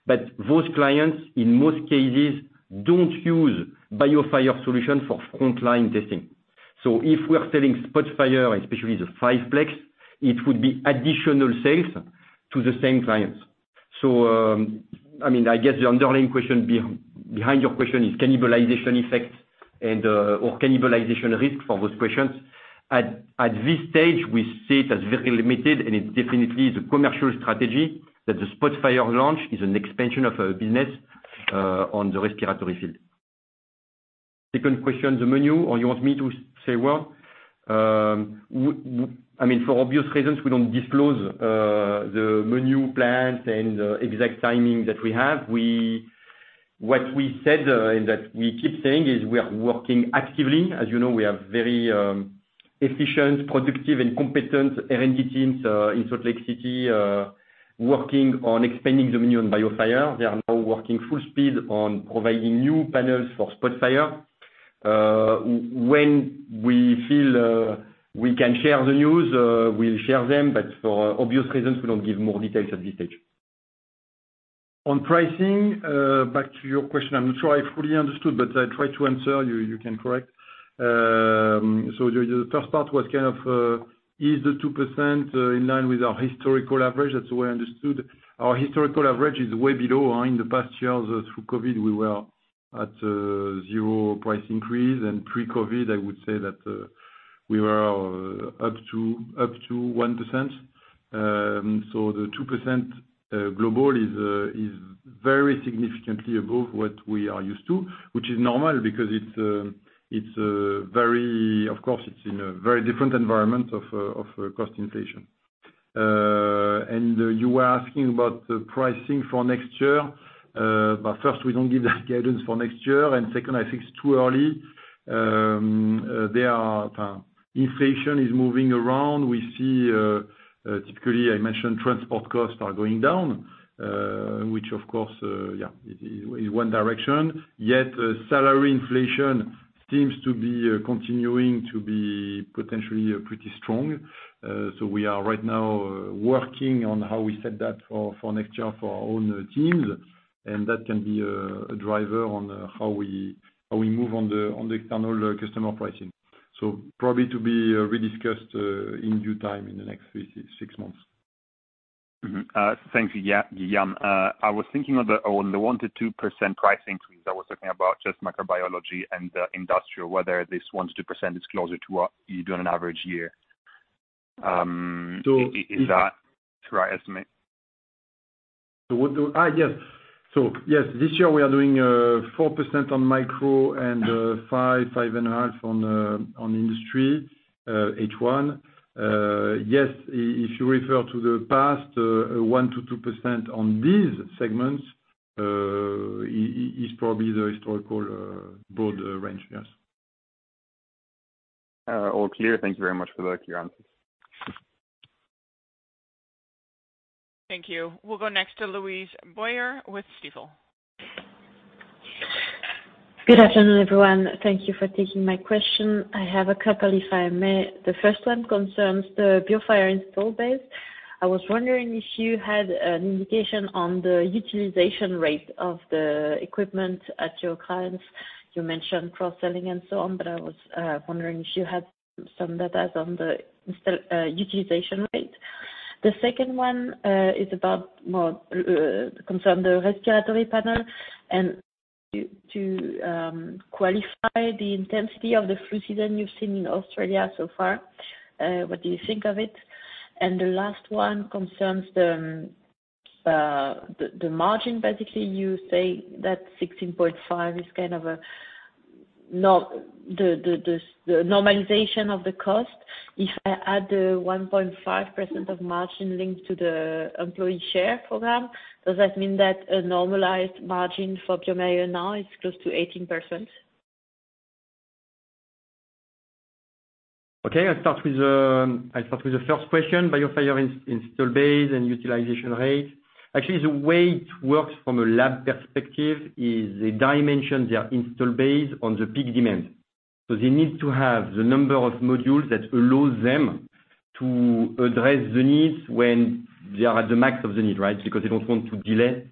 but those clients, in most cases, don't use BioFire solution for frontline testing. So if we are selling Spotfire, especially the fiveplex, it would be additional sales to the same clients. So, I mean, I guess the underlying question behind your question is cannibalization effect and or cannibalization risk for those questions. At this stage, we see it as very limited, and it's definitely the commercial strategy that the Spotfire launch is an expansion of our business on the respiratory field. Second question, the menu, or you want me to say one? I mean, for obvious reasons, we don't disclose the menu plans and exact timing that we have. What we said, and that we keep saying is we are working actively. As you know, we are very efficient, productive, and competent R&D teams in Salt Lake City working on expanding the menu on BioFire. They are now working full speed on providing new panels for Spotfire. When we feel we can share the news, we'll share them, but for obvious reasons, we don't give more details at this stage. On pricing, back to your question, I'm not sure I fully understood, but I try to answer, you, you can correct. So the first part was kind of is the 2%, in line with our historical average? That's the way I understood. Our historical average is way below. In the past year, through Covid, we were at 0% price increase, and pre-Covid, I would say that we were up to 1%. So the 2% global is very significantly above what we are used to, which is normal, because it's very... Of course, it's in a very different environment of cost inflation. And you were asking about the pricing for next year. But first, we don't give the guidance for next year, and second, I think it's too early. There are, inflation is moving around. We see, typically, I mentioned transport costs are going down, which of course, is one direction. Yet salary inflation seems to be continuing to be potentially pretty strong. So we are right now working on how we set that for next year for our own teams, and that can be a driver on how we move on the external customer pricing. So probably to be rediscussed in due time, in the next three to six months. Mm-hmm. Thank you, yeah, Guillaume. I was thinking on the 1%-2% price increase, I was talking about just microbiology and the industrial, whether this 1%-2% is closer to what you do on an average year? So- Is that the right estimate? Yes. So yes, this year we are doing 4% on micro and 5-5.5% on industry H1. Yes, if you refer to the past, 1%-2% on these segments is probably the historical broad range. Yes. All clear. Thank you very much for the clear answers. Thank you. We'll go next to Louise Boyer with Stifel. Good afternoon, everyone. Thank you for taking my question. I have a couple, if I may. The first one concerns the BioFire install base. I was wondering if you had an indication on the utilization rate of the equipment at your clients. You mentioned cross-selling and so on, but I was wondering if you had some data on the installed utilization rate. The second one concerns the respiratory panel and to qualify the intensity of the flu season you've seen in Australia so far. What do you think of it? And the last one concerns the margin. Basically, you say that 16.5% is kind of a, not the normalization of the cost. If I add the 1.5% of margin linked to the employee share program, does that mean that a normalized margin for bioMérieux now is close to 18%? Okay, I'll start with, I'll start with the first question, BioFire install base and utilization rate. Actually, the way it works from a lab perspective is they dimension their install base on the peak demand. So they need to have the number of modules that allows them to address the needs when they are at the max of the need, right? Because they don't want to delay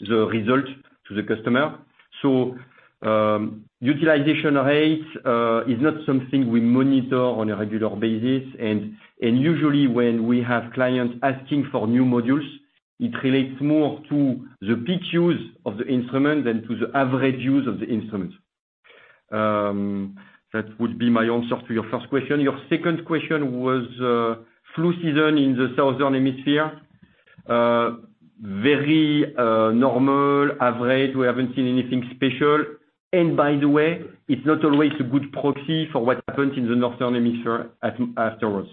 the result to the customer. So, utilization rate is not something we monitor on a regular basis, and usually when we have clients asking for new modules, it relates more to the peak use of the instrument than to the average use of the instrument. That would be my answer to your first question. Your second question was, flu season in the southern hemisphere. Very normal, average. We haven't seen anything special. By the way, it's not always a good proxy for what happened in the northern hemisphere afterwards.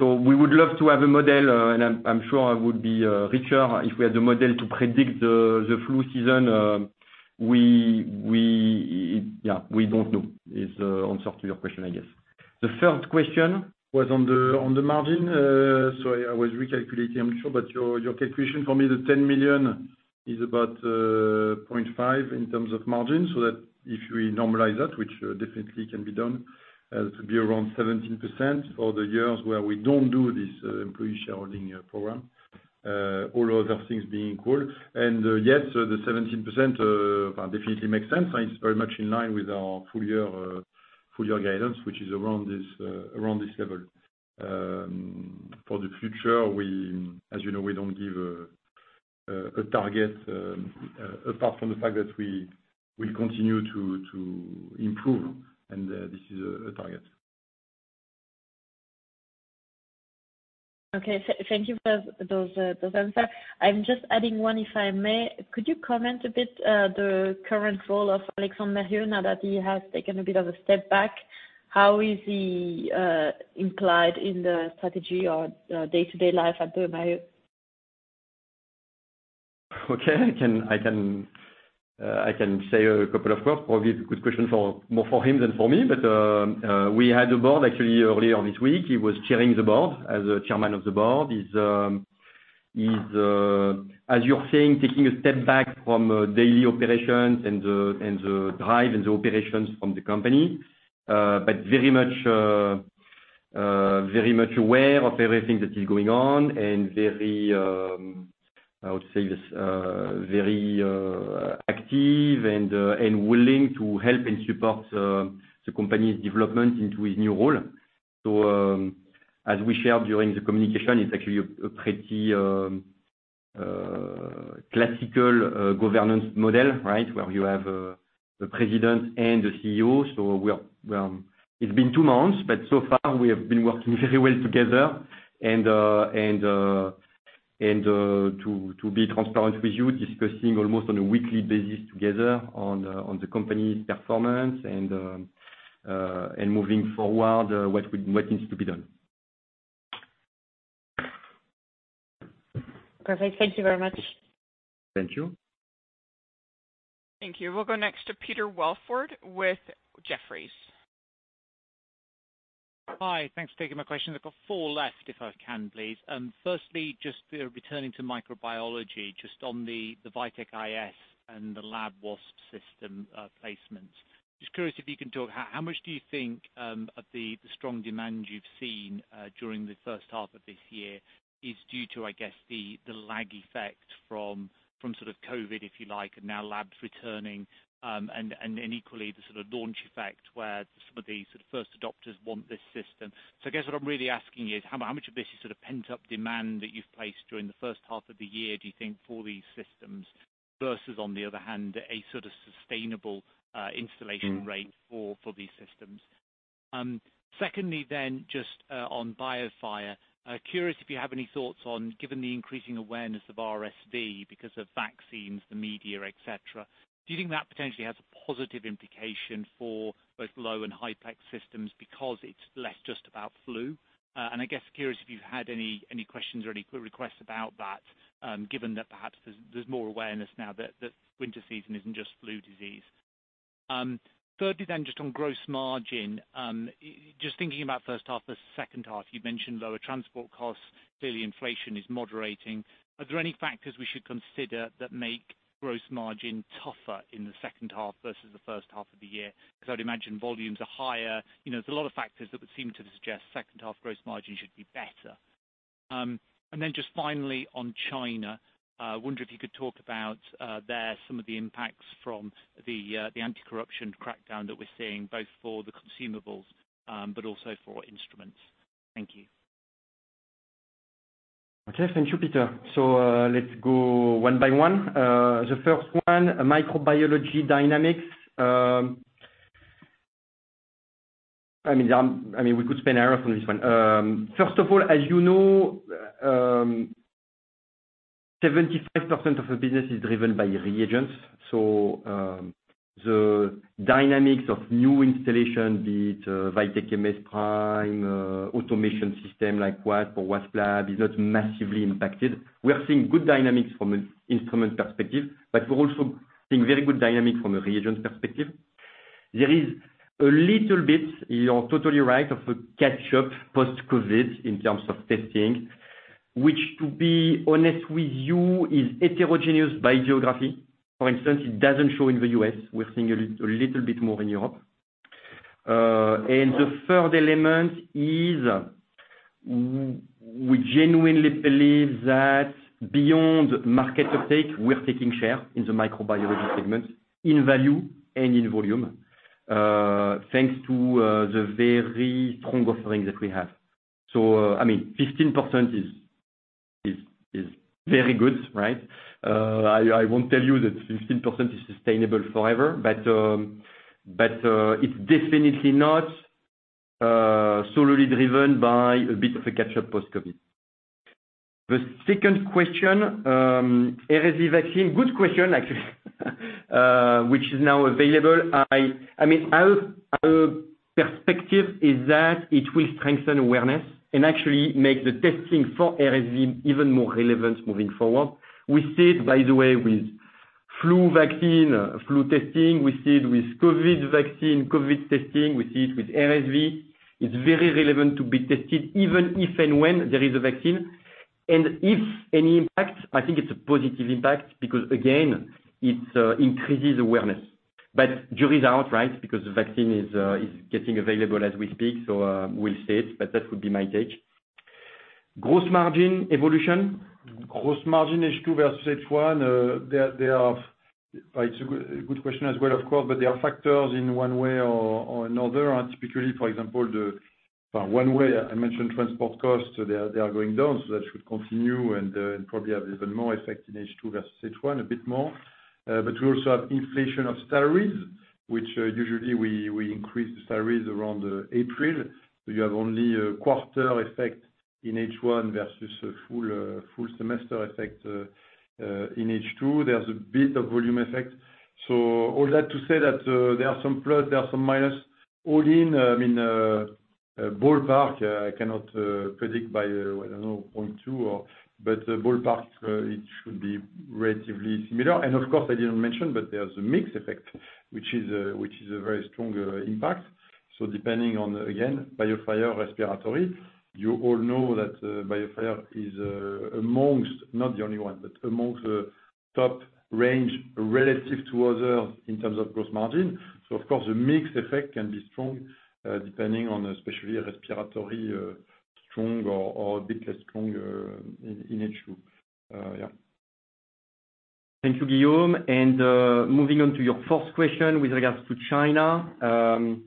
So we would love to have a model, and I'm sure I would be richer if we had the model to predict the flu season. We yeah we don't know is answer to your question, I guess. The third question was on the margin. So I was recalculating. I'm sure but your calculation for me, the 10 million is about 0.5 in terms of margin, so that if we normalize that, which definitely can be done, it could be around 17% for the years where we don't do this employee shareholding program. All other things being equal. Yes, the 17%, definitely makes sense, and it's very much in line with our full year guidance, which is around this level. For the future, we, as you know, we don't give a target, apart from the fact that we will continue to improve, and this is a target. Okay. Thank you for those, those answers. I'm just adding one, if I may. Could you comment a bit, the current role of Alexandre Mérieux, now that he has taken a bit of a step back? How is he, implied in the strategy or, day-to-day life at bioMérieux? Okay. I can say a couple of words, probably a good question, more for him than for me, but we had the board actually earlier on this week. He was chairing the board as chairman of the board. He's, as you're saying, taking a step back from daily operations and the drive and the operations from the company, but very much aware of everything that is going on and very active and willing to help and support the company's development into his new role. So, as we shared during the communication, it's actually a pretty classical governance model, right? Where you have the president and the CEO, so we are... It's been two months, but so far we have been working very well together. And to be transparent with you, discussing almost on a weekly basis together on the company's performance and moving forward, what needs to be done. Perfect. Thank you very much. Thank you. Thank you. We'll go next to Peter Welford with Jefferies. Hi, thanks for taking my question. I've got four left, if I can, please. Firstly, just returning to microbiology, just on the VITEK MS and the WASPLab system placements. Just curious, if you can talk how much do you think of the strong demand you've seen during the first half of this year is due to, I guess, the lag effect from sort of COVID, if you like, and now labs returning, and equally, the sort of launch effect where some of the sort of first adopters want this system? So I guess what I'm really asking you is how much of this is sort of pent-up demand that you've placed during the first half of the year, do you think, for these systems, versus, on the other hand, a sort of sustainable installation rate- Mm-hmm. For these systems? Second, then, just on BioFire. Curious if you have any thoughts on, given the increasing awareness of RSV because of vaccines, the media, et cetera, do you think that potentially has a positive implication for both low and high plex systems because it's less just about flu? And I guess curious if you've had any questions or any requests about that, given that perhaps there's more awareness now that winter season isn't just flu disease. Third, then, just on gross margin, just thinking about first half versus second half, you've mentioned lower transport costs. Clearly, inflation is moderating. Are there any factors we should consider that make gross margin tougher in the second half versus the first half of the year? Because I'd imagine volumes are higher. You know, there's a lot of factors that would seem to suggest second half gross margin should be better. And then just finally on China, I wonder if you could talk about there some of the impacts from the the anti-corruption crackdown that we're seeing, both for the consumables, but also for instruments. Thank you. Okay, thank you, Peter. So, let's go one by one. The first one, microbiology dynamics. I mean, we could spend hours on this one. First of all, as you know, 75% of the business is driven by reagents. So, the dynamics of new installation, be it VITEK MS PRIME, automation system, like WASPLab, is not massively impacted. We are seeing good dynamics from an instrument perspective, but we're also seeing very good dynamic from a reagent perspective. There is a little bit, you're totally right, of a catch up post-COVID in terms of testing, which, to be honest with you, is heterogeneous by geography. For instance, it doesn't show in the U.S. We're seeing a little bit more in Europe. And the third element is we genuinely believe that beyond market uptake, we're taking share in the microbiology segment, in value and in volume, thanks to the very strong offering that we have. So, I mean, 15% is very good, right? I won't tell you that 15% is sustainable forever, but, but, it's definitely not solely driven by a bit of a catch-up post-COVID. The second question, RSV vaccine. Good question, actually, which is now available. I mean, our perspective is that it will strengthen awareness and actually make the testing for RSV even more relevant moving forward. We see it, by the way, with flu vaccine, flu testing. We see it with COVID vaccine, COVID testing. We see it with RSV. It's very relevant to be tested, even if and when there is a vaccine. And if any impact, I think it's a positive impact, because again, it increases awareness. But jury's out, right? Because the vaccine is getting available as we speak, so we'll see it, but that would be my take. Gross margin evolution. Gross margin H2 versus H1, there are—It's a good, a good question as well, of course, but there are factors in one way or, or another. And typically, for example, one way I mentioned transport costs, so they are, they are going down, so that should continue and, and probably have even more effect in H2 versus H1, a bit more. But we also have inflation of salaries, which, usually we, we increase the salaries around, April. We have only a quarter effect in H1 versus a full, full semester effect, in H2. There's a bit of volume effect. So all that to say that, there are some plus, there are some minus. All in, I mean, ballpark, I cannot, predict by, I don't know, point two or... But the ballpark, it should be relatively similar. And of course, I didn't mention, but there's a mix effect, which is a very strong impact. So depending on, again, BioFire, respiratory, you all know that, BioFire is amongst, not the only one, but amongst the top range relative to others in terms of gross margin. So of course, the mix effect can be strong, depending on especially respiratory, strong or a bit less strong, in H2. Yeah. Thank you, Guillaume. And, moving on to your fourth question with regards to China.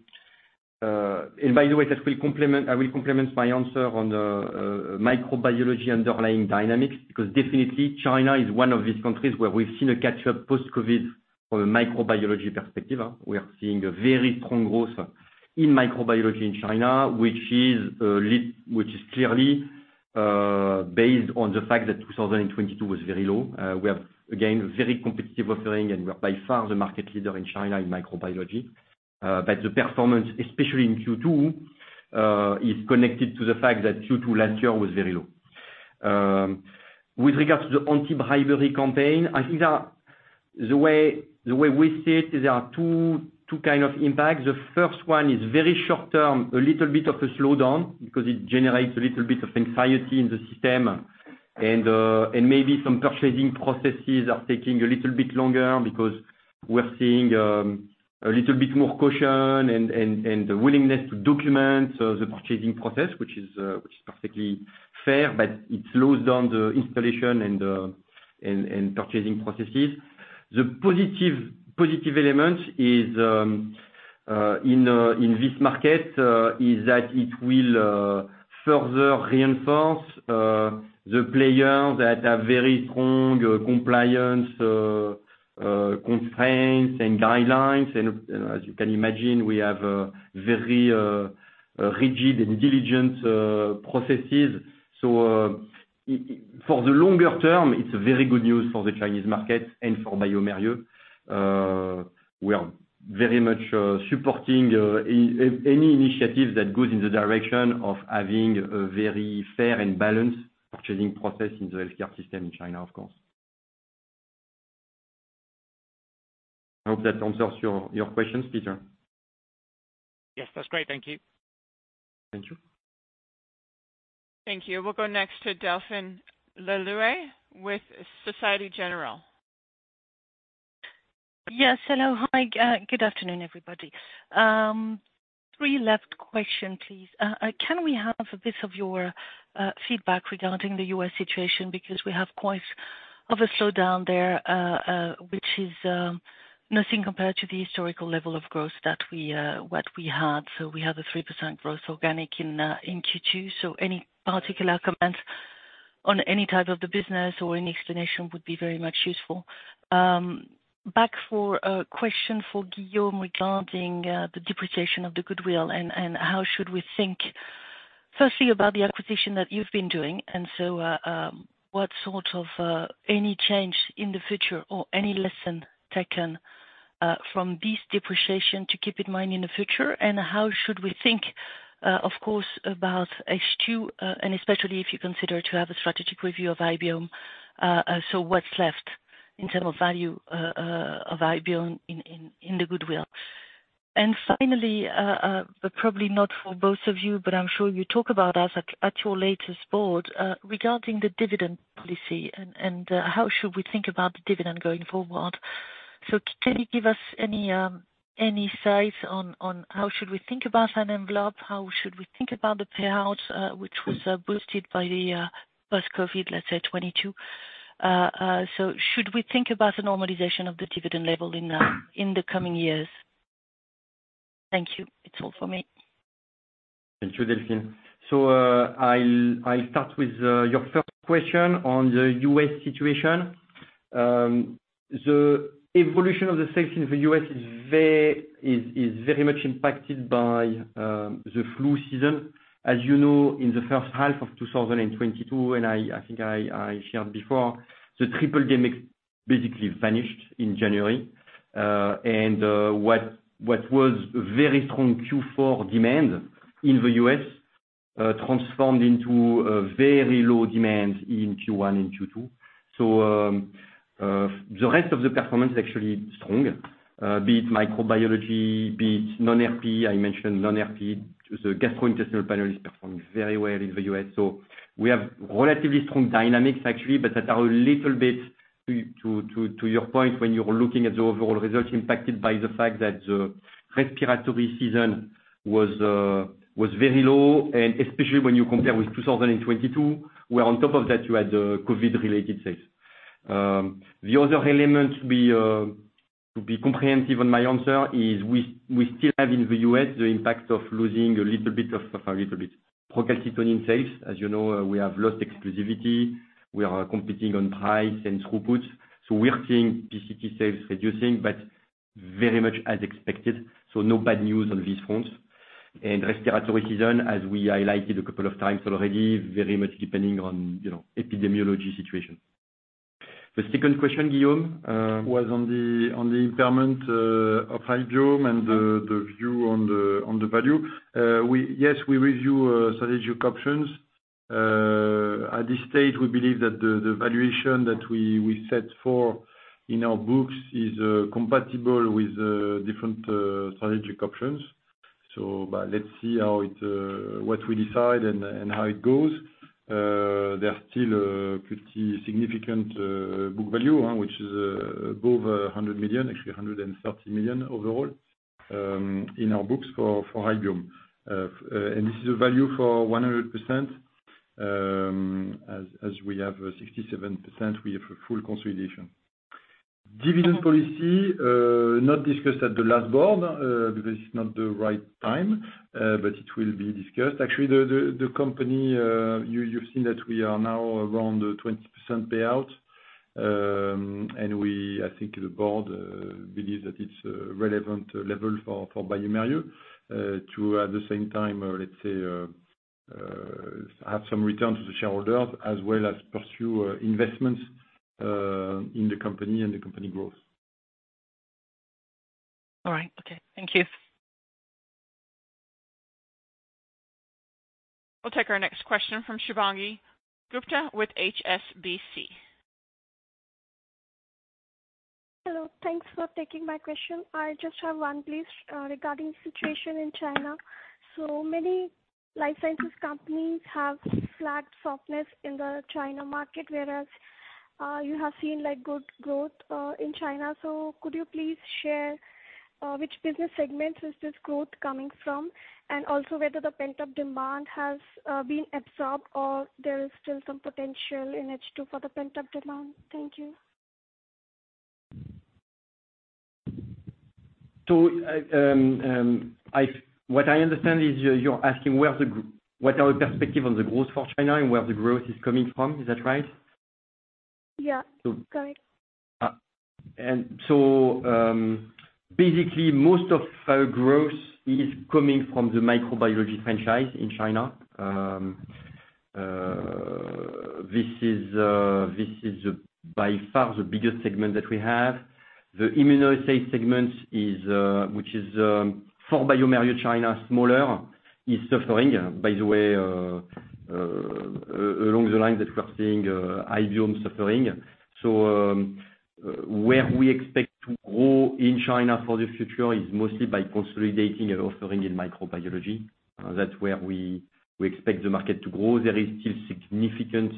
And by the way, that will complement—I will complement my answer on the, microbiology underlying dynamics, because definitely China is one of these countries where we've seen a catch-up post-COVID from a microbiology perspective. We are seeing a very strong growth in microbiology in China, which is, which is clearly, based on the fact that 2022 was very low. We have, again, very competitive offering and we are by far the market leader in China in microbiology. But the performance, especially in Q2, is connected to the fact that Q2 last year was very low. With regards to the anti-bribery campaign, I think that the way, the way we see it, there are two, two kind of impacts. The first one is very short term, a little bit of a slowdown, because it generates a little bit of anxiety in the system. And maybe some purchasing processes are taking a little bit longer because we're seeing a little bit more caution and the willingness to document the purchasing process, which is perfectly fair, but it slows down the installation and purchasing processes. The positive element is in this market is that it will further reinforce the players that have very strong compliance constraints and guidelines. And as you can imagine, we have a very rigid and diligent processes. So, for the longer term, it's very good news for the Chinese market and for bioMérieux. We are very much supporting any initiative that goes in the direction of having a very fair and balanced purchasing process in the healthcare system in China, of course. I hope that answers your questions, Peter. Yes. That's great. Thank you. Thank you. Thank you. We'll go next to Delphine Lelouet with Société Générale.... Yes, hello. Hi, good afternoon, everybody. Three left question, please. Can we have a bit of your feedback regarding the U.S. situation? Because we have quite of a slowdown there, which is nothing compared to the historical level of growth that we what we had. So we have a 3% growth organic in Q2. So any particular comments on any type of the business or any explanation would be very much useful. Back for a question for Guillaume regarding the depreciation of the goodwill, and how should we think, firstly, about the acquisition that you've been doing, and so, what sort of any change in the future or any lesson taken from this depreciation to keep in mind in the future? How should we think, of course, about H2, and especially if you consider to have a strategic review of I-Biome, so what's left in term of value, of I-Biome in, in, in the goodwill? And finally, but probably not for both of you, but I'm sure you talk about this at, at your latest board, regarding the dividend policy, and, and, how should we think about the dividend going forward? So can you give us any, any size on, on how should we think about an envelope? How should we think about the payouts, which was, boosted by the, post-COVID, let's say, 2022? So should we think about the normalization of the dividend level in, in the coming years? Thank you. It's all for me. Thank you, Delphine. So, I'll start with your first question on the U.S. situation. The evolution of the sales in the U.S. is very much impacted by the flu season. As you know, in the first half of 2022, and I think I shared before, the tripledemic basically vanished in January. And what was very strong Q4 demand in the U.S. transformed into a very low demand in Q1 and Q2. So, the rest of the performance is actually strong, be it microbiology, be it non-RP. I mentioned non-RP, the gastrointestinal panel is performing very well in the U.S. So we have relatively strong dynamics, actually, but that are a little bit to your point, when you are looking at the overall results impacted by the fact that the respiratory season was very low, and especially when you compare with 2022, where on top of that, you had the COVID-related sales. The other element to be comprehensive on my answer is we still have in the US, the impact of losing a little bit of procalcitonin sales. As you know, we have lost exclusivity. We are competing on price and throughput, so we are seeing PCT sales reducing, but very much as expected, so no bad news on this front. And respiratory season, as we highlighted a couple of times already, very much depending on, you know, epidemiology situation. The second question, Guillaume, was on the impairment of I-Biome and the view on the value. We review strategic options. At this stage, we believe that the valuation that we set for in our books is compatible with different strategic options. So, but let's see how it goes, what we decide and how it goes. There are still pretty significant book value, which is above 100 million, actually 130 million overall, in our books for I-Biome. And this is a value for 100%, as we have 67%, we have a full consolidation. Dividend policy, not discussed at the last board, because it's not the right time, but it will be discussed. Actually, the company, you, you've seen that we are now around the 20% payout. And we, I think the board, believes that it's a relevant level for bioMérieux, to, at the same time, let's say, have some return to the shareholders, as well as pursue, investments, in the company and the company growth. All right. Okay, thank you. We'll take our next question from Shubhangi Gupta with HSBC. Hello, thanks for taking my question. I just have one, please, regarding the situation in China. So many life sciences companies have flat softness in the China market, whereas, you have seen, like, good growth, in China. So could you please share, which business segments is this growth coming from? And also whether the pent-up demand has been absorbed, or there is still some potential in H2 for the pent-up demand? Thank you. So, what I understand is you're asking what are our perspective on the growth for China and where the growth is coming from. Is that right? Yeah. So- Go ahead. So, basically, most of our growth is coming from the microbiology franchise in China. This is by far the biggest segment that we have. The immunoassay segment, which is for bioMérieux China smaller, is suffering, by the way, along the lines that we're seeing I-Biome suffering. So, where we expect to grow in China for the future is mostly by consolidating our offering in microbiology. That's where we expect the market to grow. There is still significant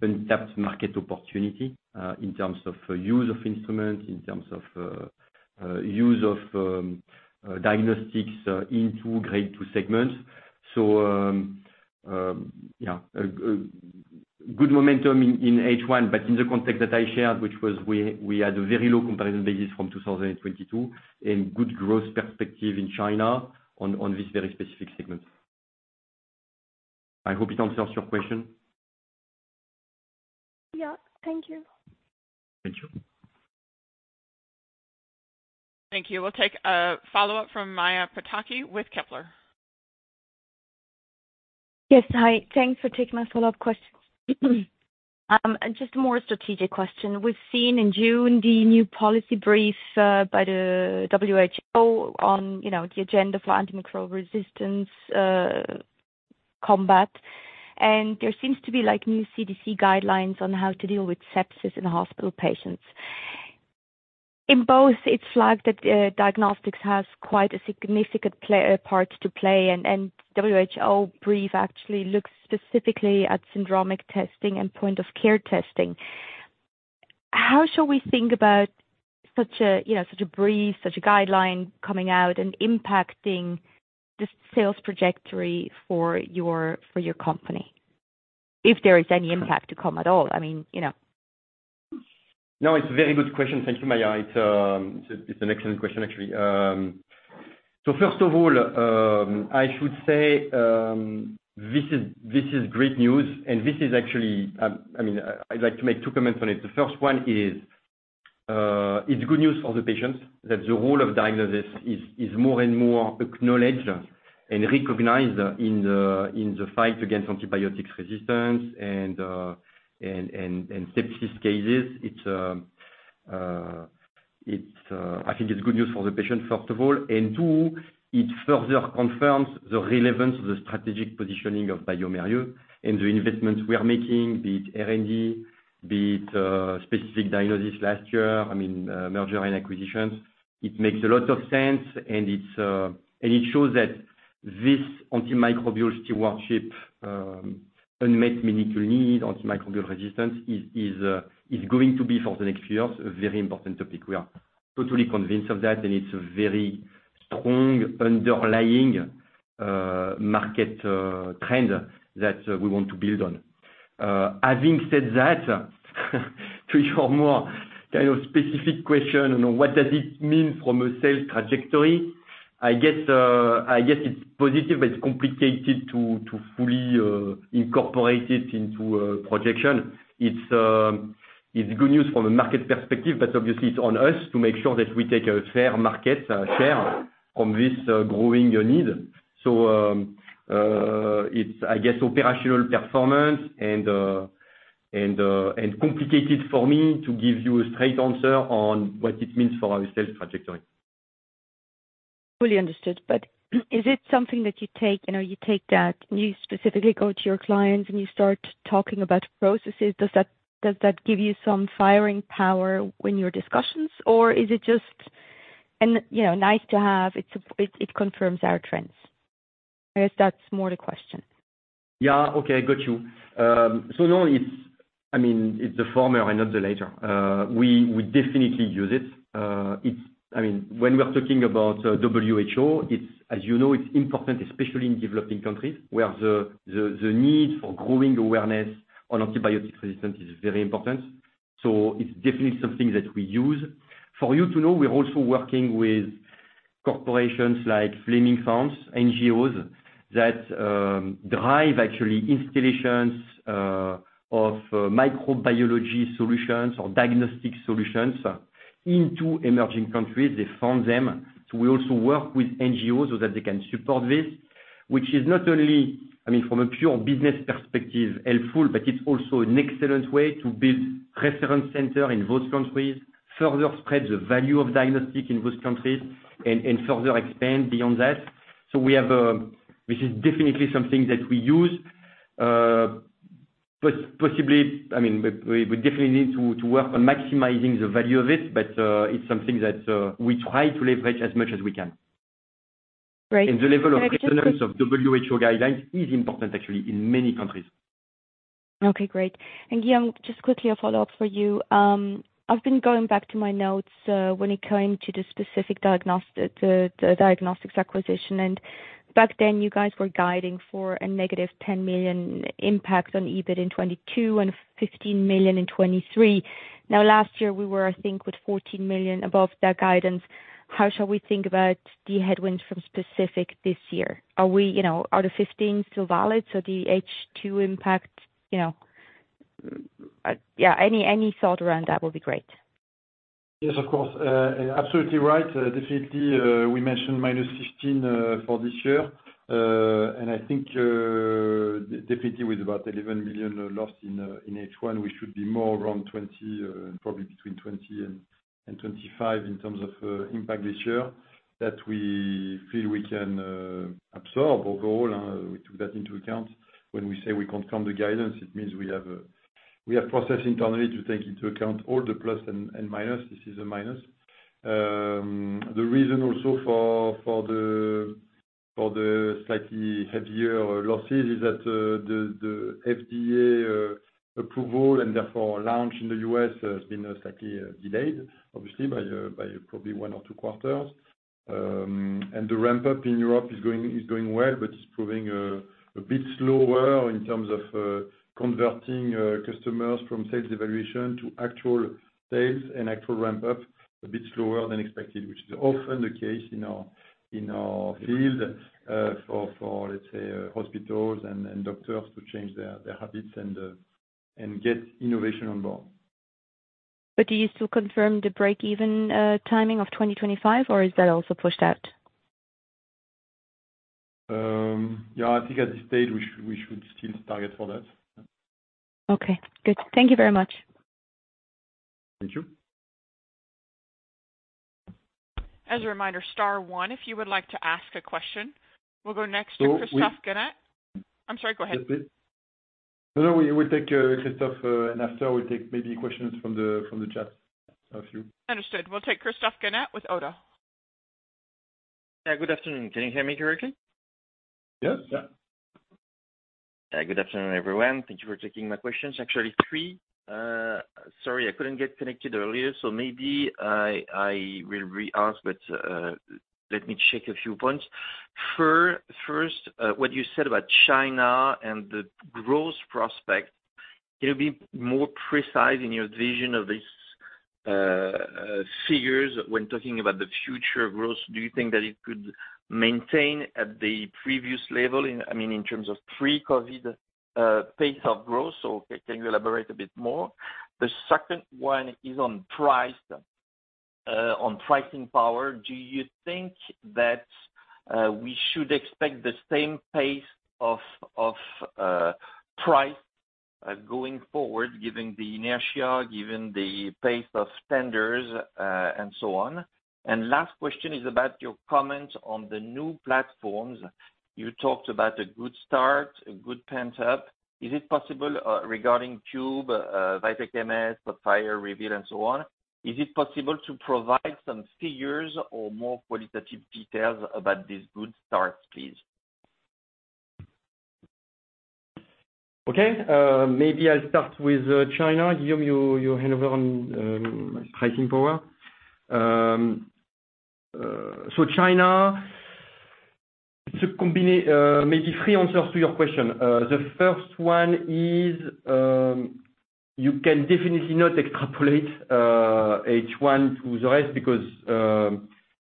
untapped market opportunity in terms of use of instrument, in terms of use of diagnostics into grade two segments. So, yeah, a good momentum in H1, but in the context that I shared, which was we had a very low comparison basis from 2022, and good growth perspective in China on this very specific segment. I hope it answers your question. Yeah, thank you. Thank you. Thank you. We'll take a follow-up from Maja Pataki with Kepler. Yes. Hi, thanks for taking my follow-up question. Just more strategic question. We've seen in June, the new policy brief by the WHO on, you know, the agenda for antimicrobial resistance combat. And there seems to be, like, new CDC guidelines on how to deal with sepsis in hospital patients. In both, it's flagged that diagnostics has quite a significant part to play, and WHO brief actually looks specifically at syndromic testing and point-of-care testing. How shall we think about such a, you know, such a brief, such a guideline coming out and impacting the sales trajectory for your, for your company, if there is any impact to come at all? I mean, you know. No, it's a very good question. Thank you, Maya. It's, it's an excellent question actually. So first of all, I should say, this is, this is great news, and this is actually, I mean, I'd like to make two comments on it. The first one is, it's good news for the patients, that the role of diagnosis is, is more and more acknowledged and recognized in the, in the fight against antibiotics resistance and, and, and, and sepsis cases. It's, it's, I think it's good news for the patients, first of all. And two, it further confirms the relevance of the strategic positioning of bioMérieux and the investments we are making, be it R&D, be it, specific diagnosis last year, I mean, merger and acquisitions. It makes a lot of sense, and it shows that this antimicrobial stewardship, unmet medical need, antimicrobial resistance is going to be, for the next few years, a very important topic. We are totally convinced of that, and it's a very strong underlying market trend that we want to build on. Having said that, to your more kind of specific question, on what does it mean from a sales trajectory? I guess, I guess it's positive, but it's complicated to fully incorporate it into a projection. It's good news from a market perspective, but obviously it's on us to make sure that we take a fair market share from this growing need. It's, I guess, operational performance and complicated for me to give you a straight answer on what it means for our sales trajectory. Fully understood. But is it something that you take, you know, you take that, and you specifically go to your clients, and you start talking about processes? Does that, does that give you some firing power in your discussions, or is it just... And, you know, nice to have, it's, it, it confirms our trends. I guess that's more the question. Yeah. Okay, got you. So no, it's, I mean, it's the former and not the latter. We definitely use it. It's, I mean, when we are talking about WHO, it's, as you know, it's important, especially in developing countries, where the need for growing awareness on antibiotic resistance is very important. So it's definitely something that we use. For you to know, we're also working with corporations like Fleming Fund, NGOs, that drive actually installations of microbiology solutions or diagnostic solutions into emerging countries. They fund them. So we also work with NGOs so that they can support this, which is not only, I mean, from a pure business perspective, helpful, but it's also an excellent way to build reference center in those countries, further spread the value of diagnostic in those countries, and further expand beyond that. So we have. This is definitely something that we use, possibly, I mean, we definitely need to work on maximizing the value of it, but it's something that we try to leverage as much as we can. Great. And the level of acceptance- Can I just quick-... of WHO guidelines is important actually in many countries. Okay, great. And Guillaume, just quickly a follow-up for you. I've been going back to my notes, when it came to the Specific Diagnostics acquisition, and back then, you guys were guiding for a negative 10 million impact on EBIT in 2022 and 15 million in 2023. Now, last year we were, I think, with 14 million above that guidance. How shall we think about the headwinds from Specific this year? Are we, you know, are the 15 still valid, so the H2 impact, you know, yeah, any thought around that will be great. Yes, of course. Absolutely right. Definitely, we mentioned -15 for this year. And I think, definitely with about 11 million loss in H1, we should be more around 20, probably between 20 and 25 in terms of impact this year, that we feel we can absorb overall. We took that into account. When we say we confirm the guidance, it means we have, we are processing internally to take into account all the plus and minus. This is a minus. The reason also for the slightly heavier losses is that, the FDA approval and therefore launch in the U.S. has been slightly delayed, obviously by probably 1 or 2 quarters. And the ramp up in Europe is going well, but it's proving a bit slower in terms of converting customers from sales evaluation to actual sales and actual ramp up, a bit slower than expected, which is often the case in our field for, let's say, hospitals and doctors to change their habits and get innovation on board. But do you still confirm the break-even timing of 2025, or is that also pushed out? Yeah, I think at this stage we should, we should still target for that. Okay, good. Thank you very much. Thank you. As a reminder, star one, if you would like to ask a question. We'll go next to- So we- Christophe Ginet. I'm sorry, go ahead. No, no, we'll take Christophe, and after we'll take maybe questions from the chat, a few. Understood. We'll take Christophe Ginet with Oddo. Yeah. Good afternoon. Can you hear me correctly? Yes. Yeah. Good afternoon, everyone. Thank you for taking my questions, actually three. Sorry, I couldn't get connected earlier, so maybe I will re-ask, but let me check a few points. First, what you said about China and the growth prospect, can you be more precise in your vision of this figures when talking about the future growth? Do you think that it could maintain at the previous level in, I mean, in terms of pre-COVID pace of growth? So can you elaborate a bit more? The second one is on price on pricing power. Do you think that we should expect the same pace of price going forward, given the inertia, given the pace of tenders and so on? And last question is about your comments on the new platforms. You talked about a good start, a good pent-up. Is it possible, regarding Kube, VITEK MS, Spotfire, Reveal, and so on, is it possible to provide some figures or more qualitative details about this good start, please? Okay, maybe I'll start with China. Give you a handle on pricing power. So China, it's a combination, maybe three answers to your question. The first one is, you can definitely not extrapolate H1 to the rest because,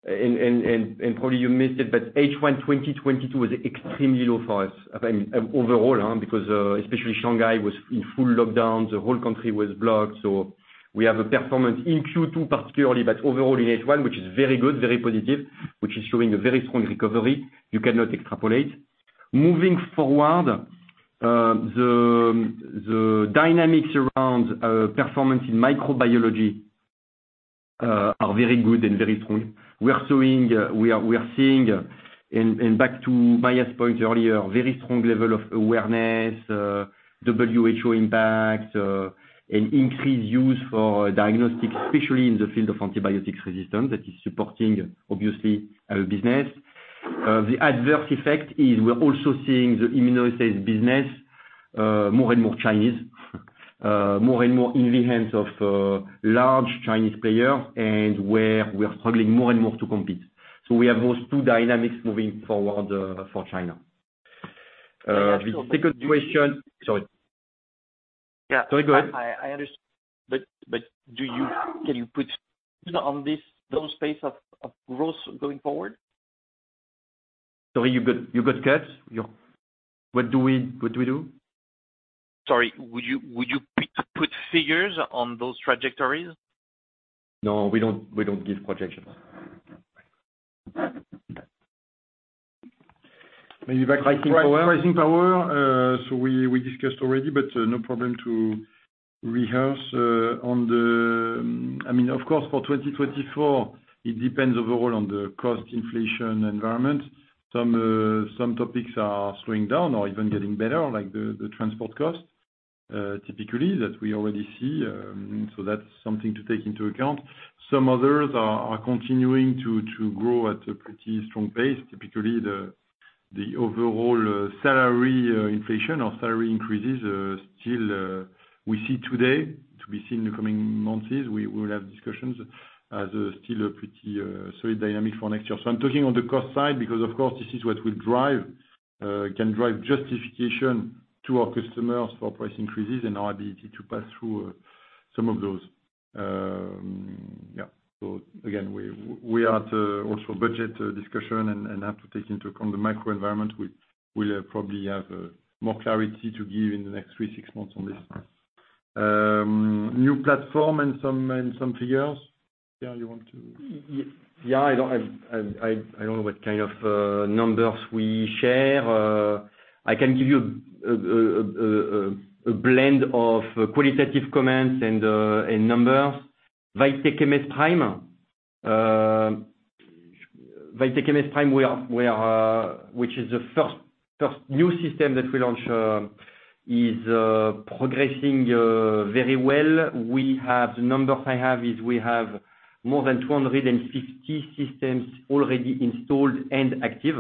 and probably you missed it, but H1 2022 was extremely low for us. I mean, overall, huh? Because, especially Shanghai was in full lockdown, the whole country was blocked. So we have a performance in Q2, particularly, but overall in H1, which is very good, very positive, which is showing a very strong recovery. You cannot extrapolate. Moving forward, the dynamics around performance in microbiology are very good and very strong. We are seeing, and back to Maya's point earlier, very strong level of awareness, WHO impact, an increased use for diagnostics, especially in the field of antibiotic resistance. That is supporting obviously our business. The adverse effect is we're also seeing the immunoassays business more and more Chinese more and more in the hands of large Chinese player, and where we are struggling more and more to compete. So we have those two dynamics moving forward for China. The second question- So- Sorry. Yeah. Sorry, go ahead. I understand, but can you put on this the pace of growth going forward? Sorry, you got cut. What do we do? Sorry, would you put figures on those trajectories? No, we don't, we don't give projections. Maybe back pricing power. Pricing power, so we, we discussed already, but, no problem to rehearse, on the... I mean, of course, for 2024, it depends overall on the cost inflation environment. Some, some topics are slowing down or even getting better, like the, the transport costs, typically that we already see. So that's something to take into account. Some others are, are continuing to, to grow at a pretty strong pace, typically the, the overall, salary, inflation or salary increases, still, we see today, to be seen in the coming months, is we, we will have discussions as still a pretty, solid dynamic for next year. So I'm talking on the cost side, because of course, this is what will drive, can drive justification to our customers for price increases and our ability to pass through, some of those. Yeah. So again, we are at also budget discussion and have to take into account the microenvironment, which we'll probably have more clarity to give in the next three, six months on this. New platform and some figures. Yeah, you want to? Yeah, I don't know what kind of numbers we share. I can give you a blend of qualitative comments and numbers. VITEK MS PRIME, we are, which is the first new system that we launched, is progressing very well. We have the numbers I have is we have more than 250 systems already installed and active.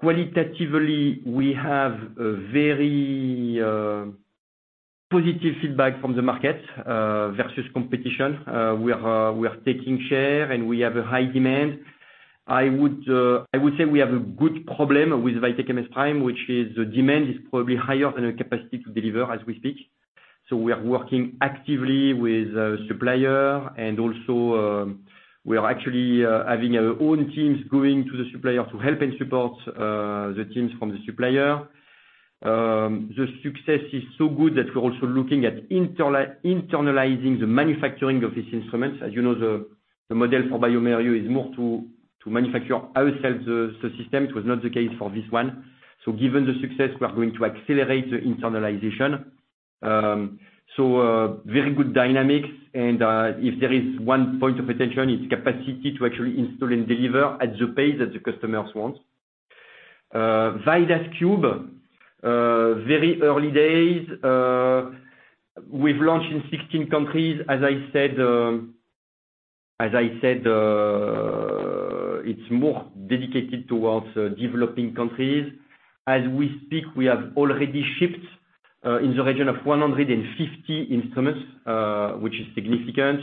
Qualitatively, we have a very positive feedback from the market versus competition. We are taking share, and we have a high demand. I would say we have a good problem with VITEK MS PRIME, which is the demand is probably higher than our capacity to deliver as we speak. So we are working actively with supplier, and also, we are actually having our own teams going to the supplier to help and support the teams from the supplier. The success is so good that we're also looking at internalizing the manufacturing of these instruments. As you know, the model for bioMérieux is more to manufacture ourselves the system. It was not the case for this one. So given the success, we are going to accelerate the internalization. So, very good dynamics and if there is one point of attention, it's capacity to actually install and deliver at the pace that the customers want. VIDAS Cube, very early days. We've launched in 16 countries. As I said, as I said, it's more dedicated towards developing countries. As we speak, we have already shipped in the region of 150 instruments, which is significant.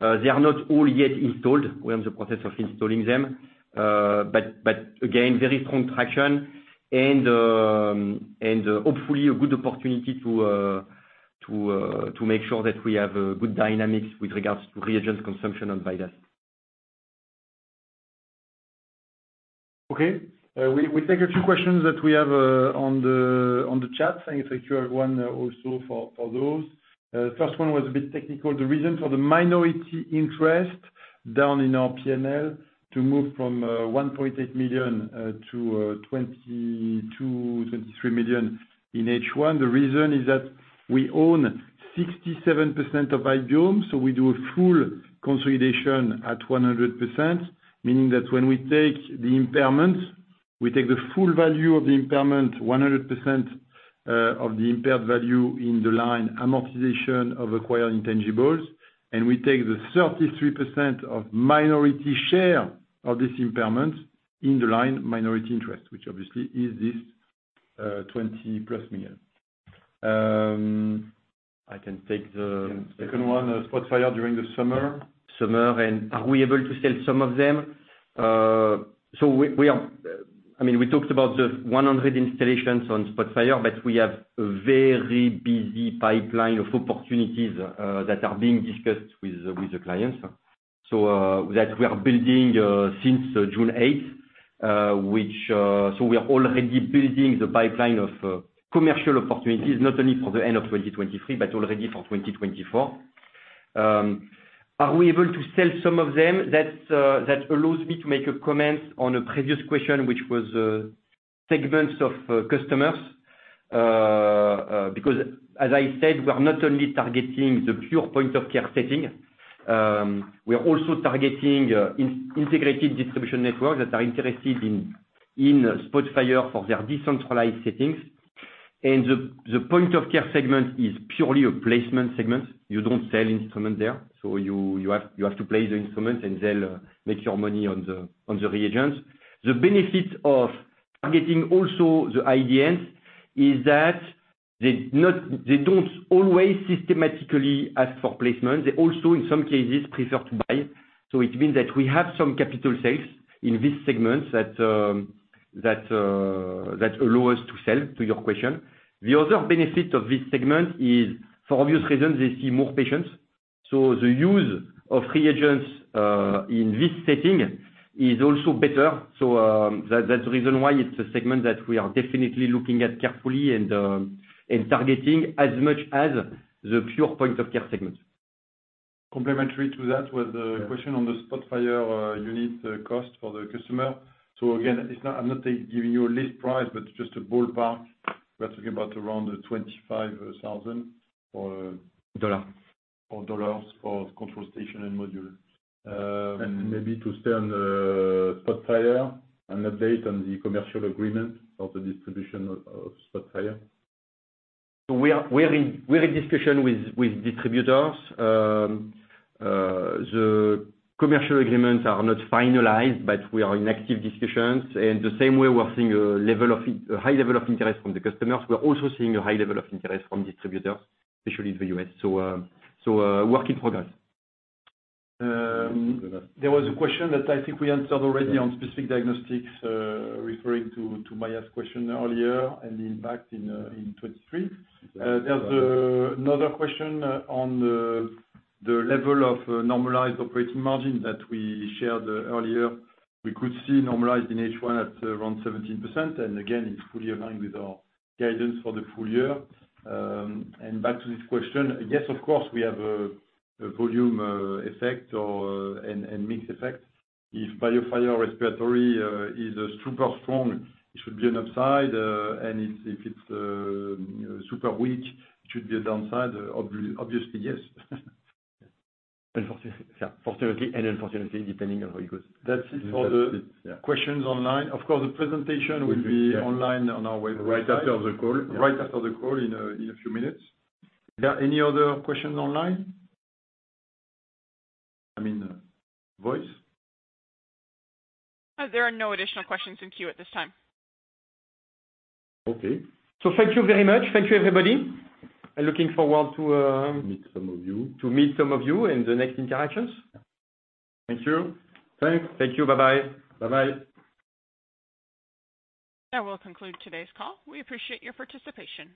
They are not all yet installed. We're in the process of installing them. But again, very strong traction and hopefully a good opportunity to make sure that we have good dynamics with regards to reagent consumption on VIDAS. Okay. We take a few questions that we have on the chat. I think you have one also for those. First one was a bit technical. The reason for the minority interest down in our P&L to move from 1.8 million to 22-23 million in H1. The reason is that we own 67% of Ibiome, so we do a full consolidation at 100%, meaning that when we take the impairment, we take the full value of the impairment, 100% of the impaired value in the line amortization of acquired intangibles. And we take the 33% of minority share of this impairment in the line minority interest, which obviously is this 20+ million. I can take the second one. SPOTFIRE during the summer. Summer, and are we able to sell some of them? So we, we are—I mean, we talked about the 100 installations on Spotfire, but we have a very busy pipeline of opportunities that are being discussed with the, with the clients. So that we are building since June eighth, which... So we are already building the pipeline of commercial opportunities, not only for the end of 2023, but already for 2024. Are we able to sell some of them? That's that allows me to make a comment on a previous question, which was segments of customers. Because as I said, we are not only targeting the pure point of care setting, we are also targeting integrated distribution networks that are interested in Spotfire for their decentralized settings. The point of care segment is purely a placement segment. You don't sell instrument there, so you have to place the instrument and then make your money on the reagents. The benefit of targeting also the IDNs is that they don't always systematically ask for placement. They also, in some cases, prefer to buy. So it means that we have some capital sales in this segment that allow us to sell, to your question. The other benefit of this segment is, for obvious reasons, they see more patients, so the use of reagents in this setting is also better. So that's the reason why it's a segment that we are definitely looking at carefully and targeting as much as the pure point of care segment. Complementary to that, was the question on the Spotfire unit cost for the customer. So again, it's not-- I'm not giving you a list price, but just a ballpark. We're talking about around EUR 25,000 or- Dollar. Or dollars for control station and module. And maybe to stay on the SPOTFIRE, an update on the commercial agreement of the distribution of, of SPOTFIRE. We are in discussion with distributors. The commercial agreements are not finalized, but we are in active discussions. In the same way, we are seeing a high level of interest from the customers. We're also seeing a high level of interest from distributors, especially in the U.S. Work in progress. There was a question that I think we answered already on Specific Diagnostics, referring to Maya's question earlier and the impact in 2023. There's another question on the level of normalized operating margin that we shared earlier. We could see normalized in H1 at around 17%, and again, it's fully aligned with our guidance for the full year. And back to this question, yes, of course, we have a volume effect or—and mixed effect. If BioFire respiratory is super strong, it should be an upside, and if it's super weak, it should be a downside. Obviously, yes. Fortunately, yeah, fortunately and unfortunately, depending on how it goes. That's it for the- Yeah Questions online. Of course, the presentation will be online on our way. Right after the call. Right after the call, in a few minutes. there any other questions online? I mean, voice. There are no additional questions in queue at this time. Okay. So thank you very much. Thank you, everybody. I'm looking forward to, Meet some of you. to meet some of you in the next interactions. Yeah. Thank you. Thanks. Thank you. Bye-bye. Bye-bye. That will conclude today's call. We appreciate your participation.